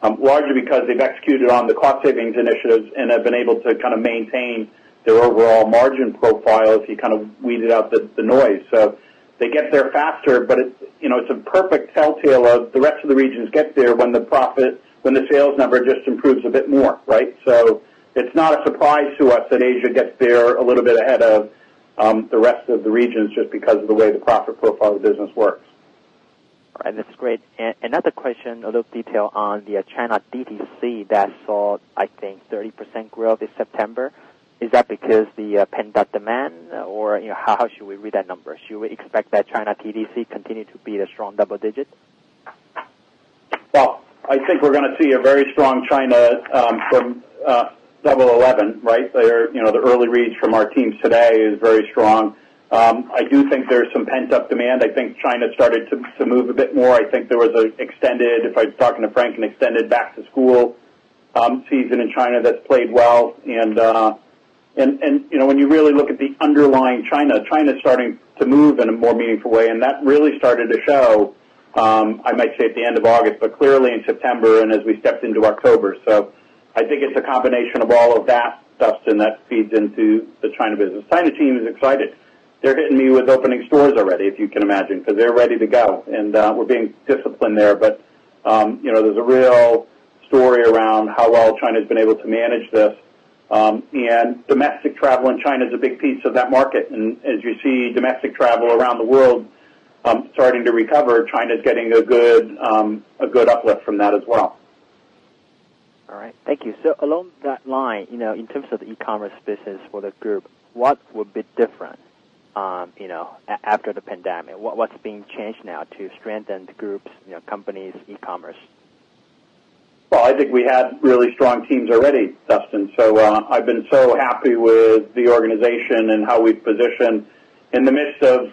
largely because they've executed on the cost savings initiatives and have been able to kind of maintain their overall margin profile if you kind of weed out the noise. They get there faster, but it's a perfect telltale of the rest of the regions get there when the sales number just improves a bit more, right? It's not a surprise to us that Asia gets there a little bit ahead of the rest of the regions just because of the way the profit profile of the business works. All right. That's great. Another question, a little detail on the China DTC that saw, I think, 30% growth in September. Is that because the pent-up demand or how should we read that number? Should we expect that China DTC continue to be a strong double digit? Well, I think we're going to see a very strong China from Double 11, right? The early reads from our teams today is very strong. I do think there's some pent-up demand. I think China started to move a bit more. I think there was an extended, if I was talking to Frank, an extended back-to-school season in China that's played well. When you really look at the underlying China's starting to move in a more meaningful way, and that really started to show, I might say at the end of August, but clearly in September and as we stepped into October. I think it's a combination of all of that, Dustin, that feeds into the China business. China team is excited. They're hitting me with opening stores already, if you can imagine, because they're ready to go. We're being disciplined there. There's a real story around how well China's been able to manage this. Domestic travel in China is a big piece of that market. As you see domestic travel around the world starting to recover, China's getting a good uplift from that as well. All right. Thank you. Along that line, in terms of the e-commerce business for the group, what would be different after the pandemic? What's being changed now to strengthen the company's e-commerce? I think we had really strong teams already, Dustin. I've been so happy with the organization and how we've positioned. In the midst of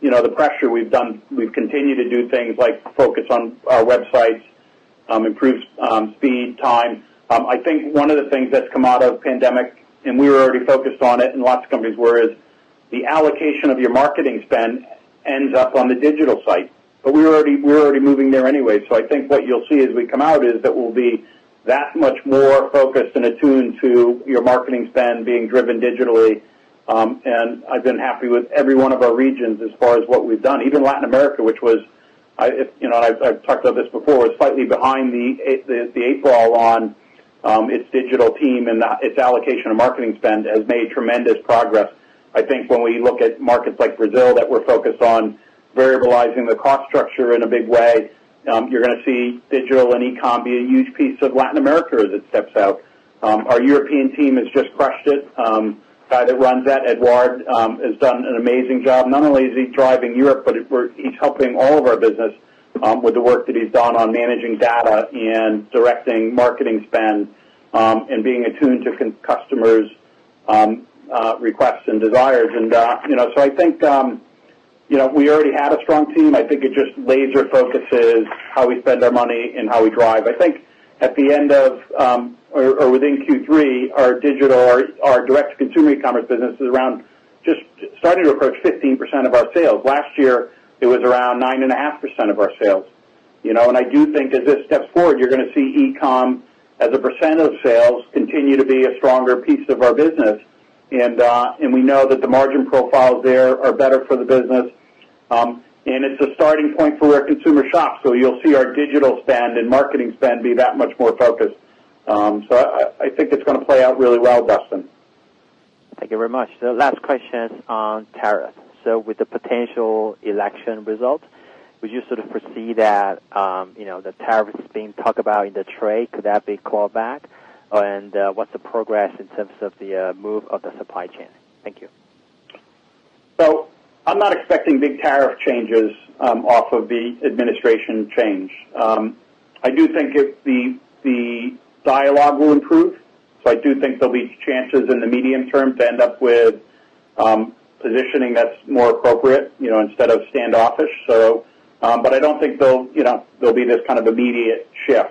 the pressure we've done, we've continued to do things like focus on our websites, improve speed, time. I think one of the things that's come out of pandemic, and we were already focused on it, and lots of companies were, is the allocation of your marketing spend ends up on the digital site. We're already moving there anyway. I think what you'll see as we come out is that we'll be that much more focused and attuned to your marketing spend being driven digitally. I've been happy with every one of our regions as far as what we've done. Even Latin America, which I've talked about this before, was slightly behind the eight ball on. Its digital team and its allocation of marketing spend has made tremendous progress. I think when we look at markets like Brazil, that we're focused on variabilizing the cost structure in a big way, you're going to see digital and e-com be a huge piece of Latin America as it steps out. Our European team has just crushed it. The guy that runs that, Eduard, has done an amazing job. Not only is he driving Europe, but he's helping all of our business with the work that he's done on managing data and directing marketing spend, and being attuned to customers' requests and desires. I think we already had a strong team. I think it just laser focuses how we spend our money and how we drive. I think at the end of or within Q3, our digital, our direct-to-consumer e-commerce business is around just starting to approach 15% of our sales. Last year, it was around 9.5% of our sales. I do think as this steps forward, you're going to see e-com as a percent of sales continue to be a stronger piece of our business. We know that the margin profiles there are better for the business. It's a starting point for where consumer shops. You'll see our digital spend and marketing spend be that much more focused. I think it's going to play out really well, Dustin. Thank you very much. Last question on tariff. With the potential election result, would you sort of foresee that, the tariff that's being talked about in the trade, could that be called back? What's the progress in terms of the move of the supply chain? Thank you. I'm not expecting big tariff changes off of the administration change. I do think the dialogue will improve. I do think there'll be chances in the medium term to end up with positioning that's more appropriate instead of standoffish. I don't think there'll be this kind of immediate shift.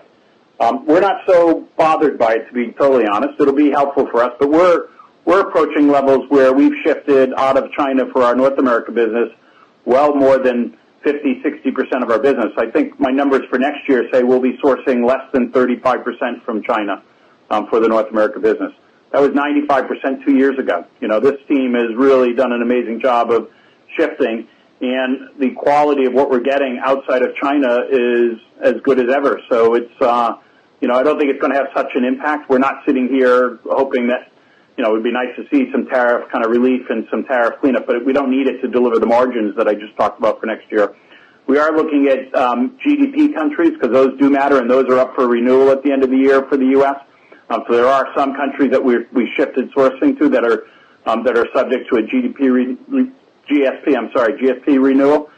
We're not so bothered by it, to be totally honest. It'll be helpful for us. We're approaching levels where we've shifted out of China for our North America business, well more than 50%, 60% of our business. I think my numbers for next year say we'll be sourcing less than 35% from China for the North America business. That was 95% two years ago. This team has really done an amazing job of shifting. The quality of what we're getting outside of China is as good as ever. I don't think it's going to have such an impact. We're not sitting here hoping that it'd be nice to see some tariff relief and some tariff cleanup, but we don't need it to deliver the margins that I just talked about for next year. We are looking at GSP countries because those do matter, and those are up for renewal at the end of the year for the U.S. There are some countries that we shifted sourcing to that are subject to a GSP renewal.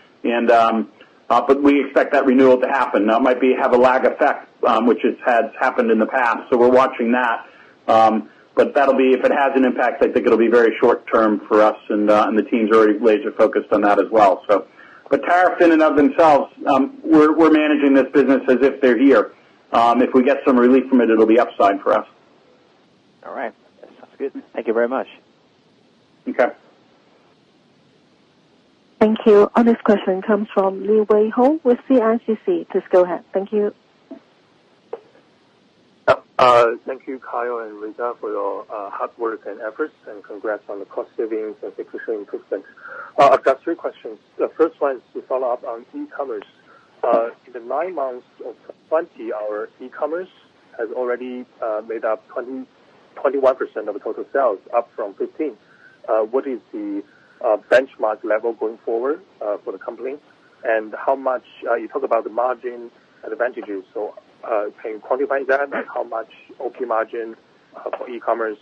We expect that renewal to happen. Now, it might have a lag effect which has happened in the past, so we're watching that. If it has an impact, I think it'll be very short-term for us, and the team's already laser focused on that as well. Tariffs in and of themselves, we're managing this business as if they're here. If we get some relief from it'll be upside for us. All right. That sounds good. Thank you very much. Okay. Thank you. Our next question comes from Liwei Ho with CICC. Please go ahead. Thank you. Thank you, Kyle and Reza, for your hard work and efforts, congrats on the cost savings and the execution improvements. I've got three questions. The first one is to follow up on e-commerce. In the nine months of 2020, our e-commerce has already made up 21% of the total sales, up from 15%. What is the benchmark level going forward for the company? You talk about the margin advantages. Can you quantify that? How much OP margin for e-commerce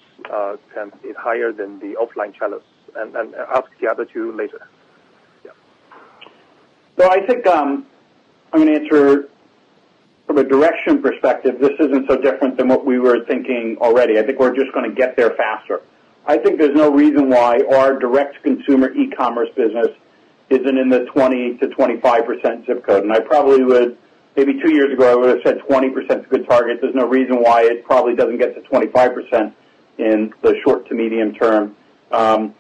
can be higher than the offline channels? I'll ask the other two later. I think I'm going to answer from a direction perspective. This isn't so different than what we were thinking already. I think we're just going to get there faster. I think there's no reason why our direct-to-consumer e-commerce business isn't in the 20%-25% ZIP code. Maybe two years ago, I would've said 20%'s a good target. There's no reason why it probably doesn't get to 25% in the short to medium term. The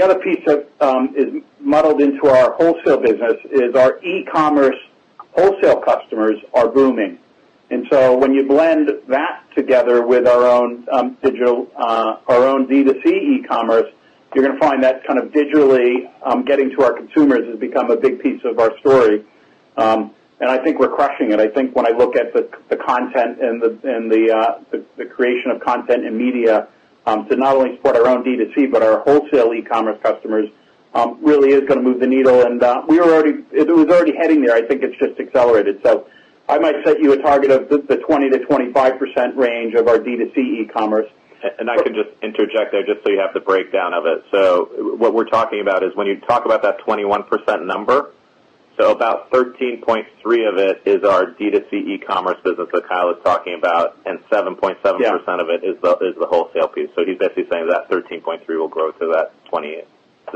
other piece that is muddled into our wholesale business is our e-commerce wholesale customers are booming. When you blend that together with our own D2C e-commerce, you're going to find that kind of digitally getting to our consumers has become a big piece of our story. I think we're crushing it. I think when I look at the content and the creation of content and media to not only support our own D2C, but our wholesale e-commerce customers really is going to move the needle. It was already heading there. I think it's just accelerated. I might set you a target of the 20%-25% range of our D2C e-commerce. I can just interject there, just so you have the breakdown of it. What we're talking about is when you talk about that 21% number, about 13.3% of it is our D2C e-commerce business that Kyle was talking about, 7.7% of it is the wholesale piece. He's basically saying that 13.3 will grow to that 28.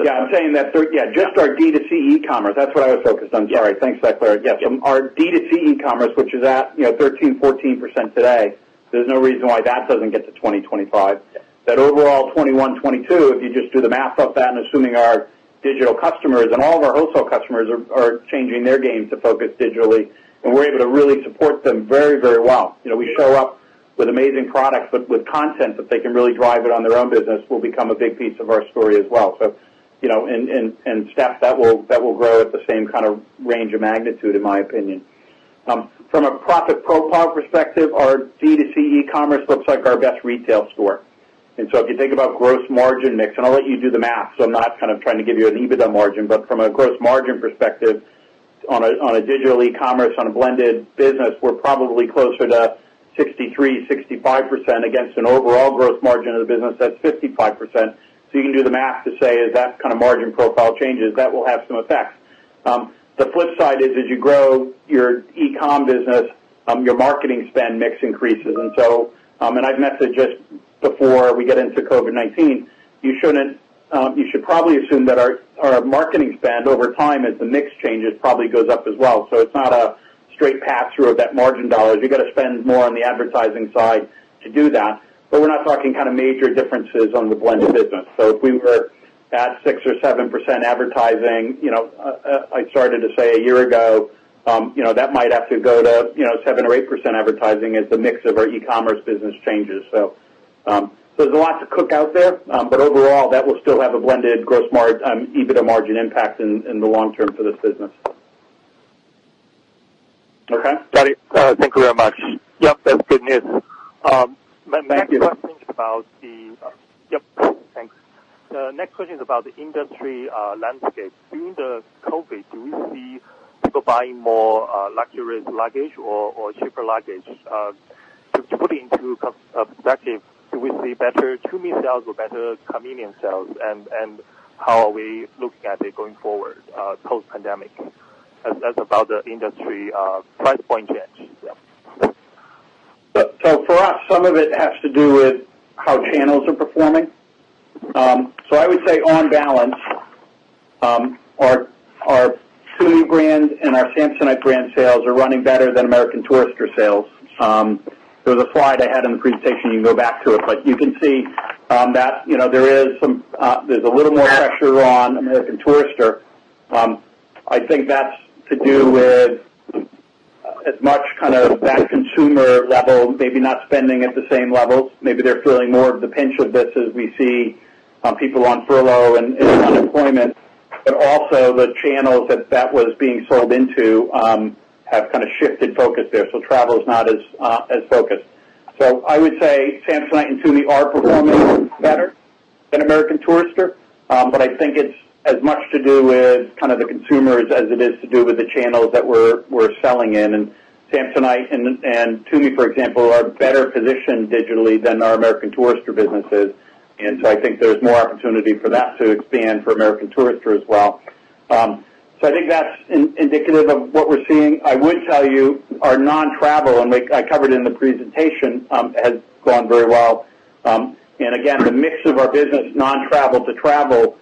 Yeah. Just our D2C e-commerce. That's what I was focused on. Sorry. Thanks for that clarity. Yes. Our D2C e-commerce, which is at 13%-14% today, there's no reason why that doesn't get to 20%-25%. That overall 21%-22%, if you just do the math of that and assuming our digital customers and all of our wholesale customers are changing their game to focus digitally, and we're able to really support them very, very well. We show up with amazing products, but with content that they can really drive it on their own business will become a big piece of our story as well. Staff that will grow at the same kind of range of magnitude, in my opinion. From a profit profile perspective, our D2C e-commerce looks like our best retail store. If you think about gross margin mix, and I'll let you do the math, so I'm not trying to give you an EBITDA margin, but from a gross margin perspective on a digital e-commerce, on a blended business, we're probably closer to 63%-65% against an overall gross margin of the business that's 55%. You can do the math to say as that kind of margin profile changes, that will have some effect. The flip side is as you grow your e-com business, your marketing spend mix increases. I'd mentioned just before we get into COVID-19, you should probably assume that our marketing spend over time as the mix changes probably goes up as well. It's not a straight pass-through of that margin dollars. You got to spend more on the advertising side to do that. We're not talking major differences on the blended business. If we were at 6% or 7% advertising, I started to say a year ago, that might have to go to 7% or 8% advertising as the mix of our e-commerce business changes. There's a lot to cook out there. Overall, that will still have a blended gross margin, EBITDA margin impact in the long term for this business. Okay. Got it. Thank you very much. Yep, that's good news. Thank you. yep, thanks. Next question is about the industry landscape. During the COVID, do we see people buying more luxurious luggage or cheaper luggage? To put into perspective, do we see better Tumi sales or better Samsonite sales, and how are we looking at it going forward post pandemic? That's about the industry price point change. Yep. For us, some of it has to do with how channels are performing. I would say on balance, our Tumi brand and our Samsonite brand sales are running better than American Tourister sales. There's a slide I had in the presentation, you can go back to it, but you can see that there's a little more pressure on American Tourister. I think that's to do with as much kind of that consumer level, maybe not spending at the same levels. Maybe they're feeling more of the pinch of this as we see people on furlough and unemployment, but also the channels that that was being sold into have kind of shifted focus there. Travel is not as focused. I would say Samsonite and Tumi are performing better than American Tourister. I think it's as much to do with the consumers as it is to do with the channels that we're selling in. Samsonite and Tumi, for example, are better positioned digitally than our American Tourister business is. I think there's more opportunity for that to expand for American Tourister as well. I think that's indicative of what we're seeing. I would tell you our non-travel, and I covered it in the presentation, has gone very well. Again, the mix of our business, non-travel to travel,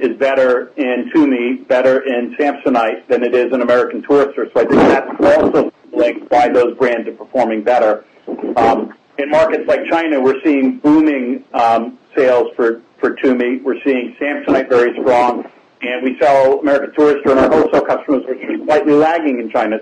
is better in Tumi, better in Samsonite than it is in American Tourister. I think that's also linked why those brands are performing better. In markets like China, we're seeing booming sales for Tumi. We're seeing Samsonite very strong, and we sell American Tourister and our wholesale customers are slightly lagging in China.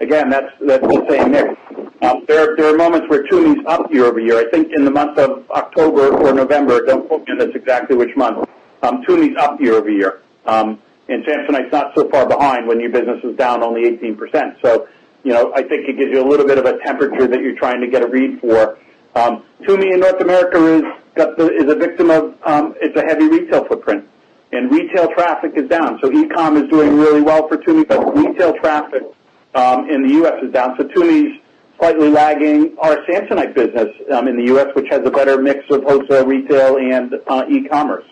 Again, that's the same mix. There are moments where Tumi's up year-over-year. I think in the month of October or November, don't quote me on this exactly which month, Tumi's up year-over-year. Samsonite's not so far behind when your business was down only 18%. I think it gives you a little bit of a temperature that you're trying to get a read for. Tumi in North America is a victim of its heavy retail footprint. Retail traffic is down. E-com is doing really well for Tumi, but retail traffic in the U.S. is down. Tumi's slightly lagging our Samsonite business in the U.S., which has a better mix of wholesale, retail, and e-commerce.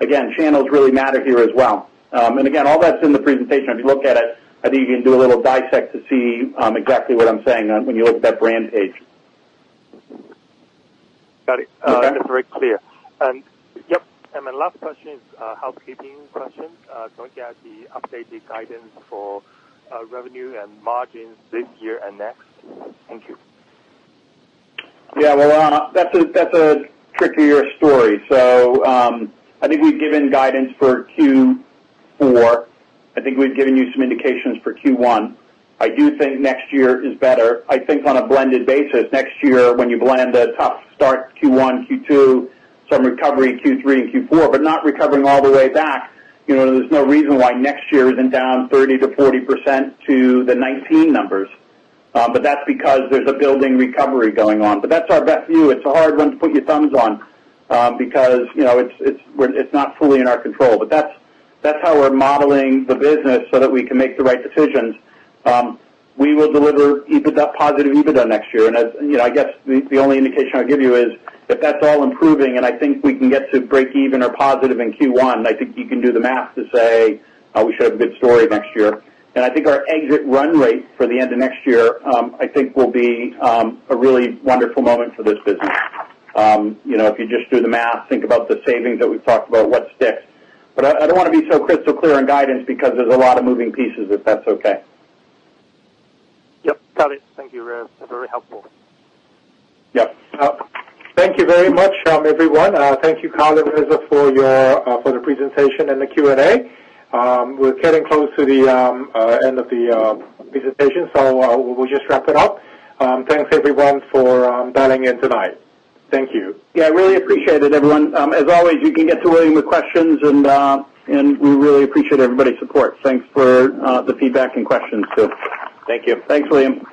Again, channels really matter here as well. Again, all that's in the presentation. If you look at it, I think you can do a little dissect to see exactly what I'm saying when you look at that brand page. Got it. That is very clear. Yep. My last question is a housekeeping question. Don't you have the updated guidance for revenue and margins this year and next? Thank you. That's a trickier story. I think we've given guidance for Q4. I think we've given you some indications for Q1. I do think next year is better. I think on a blended basis, next year, when you blend a tough start to Q1, Q2, some recovery in Q3 and Q4, but not recovering all the way back. There's no reason why next year isn't down 30%-40% to the 2019 numbers. That's because there's a building recovery going on. That's our best view. It's a hard one to put your thumbs on, because it's not fully in our control. That's how we're modeling the business so that we can make the right decisions. We will deliver positive EBITDA next year. I guess the only indication I'll give you is if that's all improving and I think we can get to break even or positive in Q1, I think you can do the math to say we should have a good story next year. I think our exit run rate for the end of next year, I think will be a really wonderful moment for this business. If you just do the math, think about the savings that we've talked about, what sticks. I don't want to be so crystal clear on guidance because there's a lot of moving pieces, if that's okay. Yep, got it. Thank you. That's very helpful. Yep. Thank you very much, everyone. Thank you, Kyle and Reza, for the presentation and the Q&A. We are getting close to the end of the presentation, so we will just wrap it up. Thanks, everyone, for dialing in tonight. Thank you. Yeah, really appreciate it, everyone. As always, you can get to William with questions, and we really appreciate everybody's support. Thanks for the feedback and questions, too. Thank you. Thanks, William.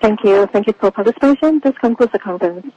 Thank you. Thank you for participation. This concludes the conference.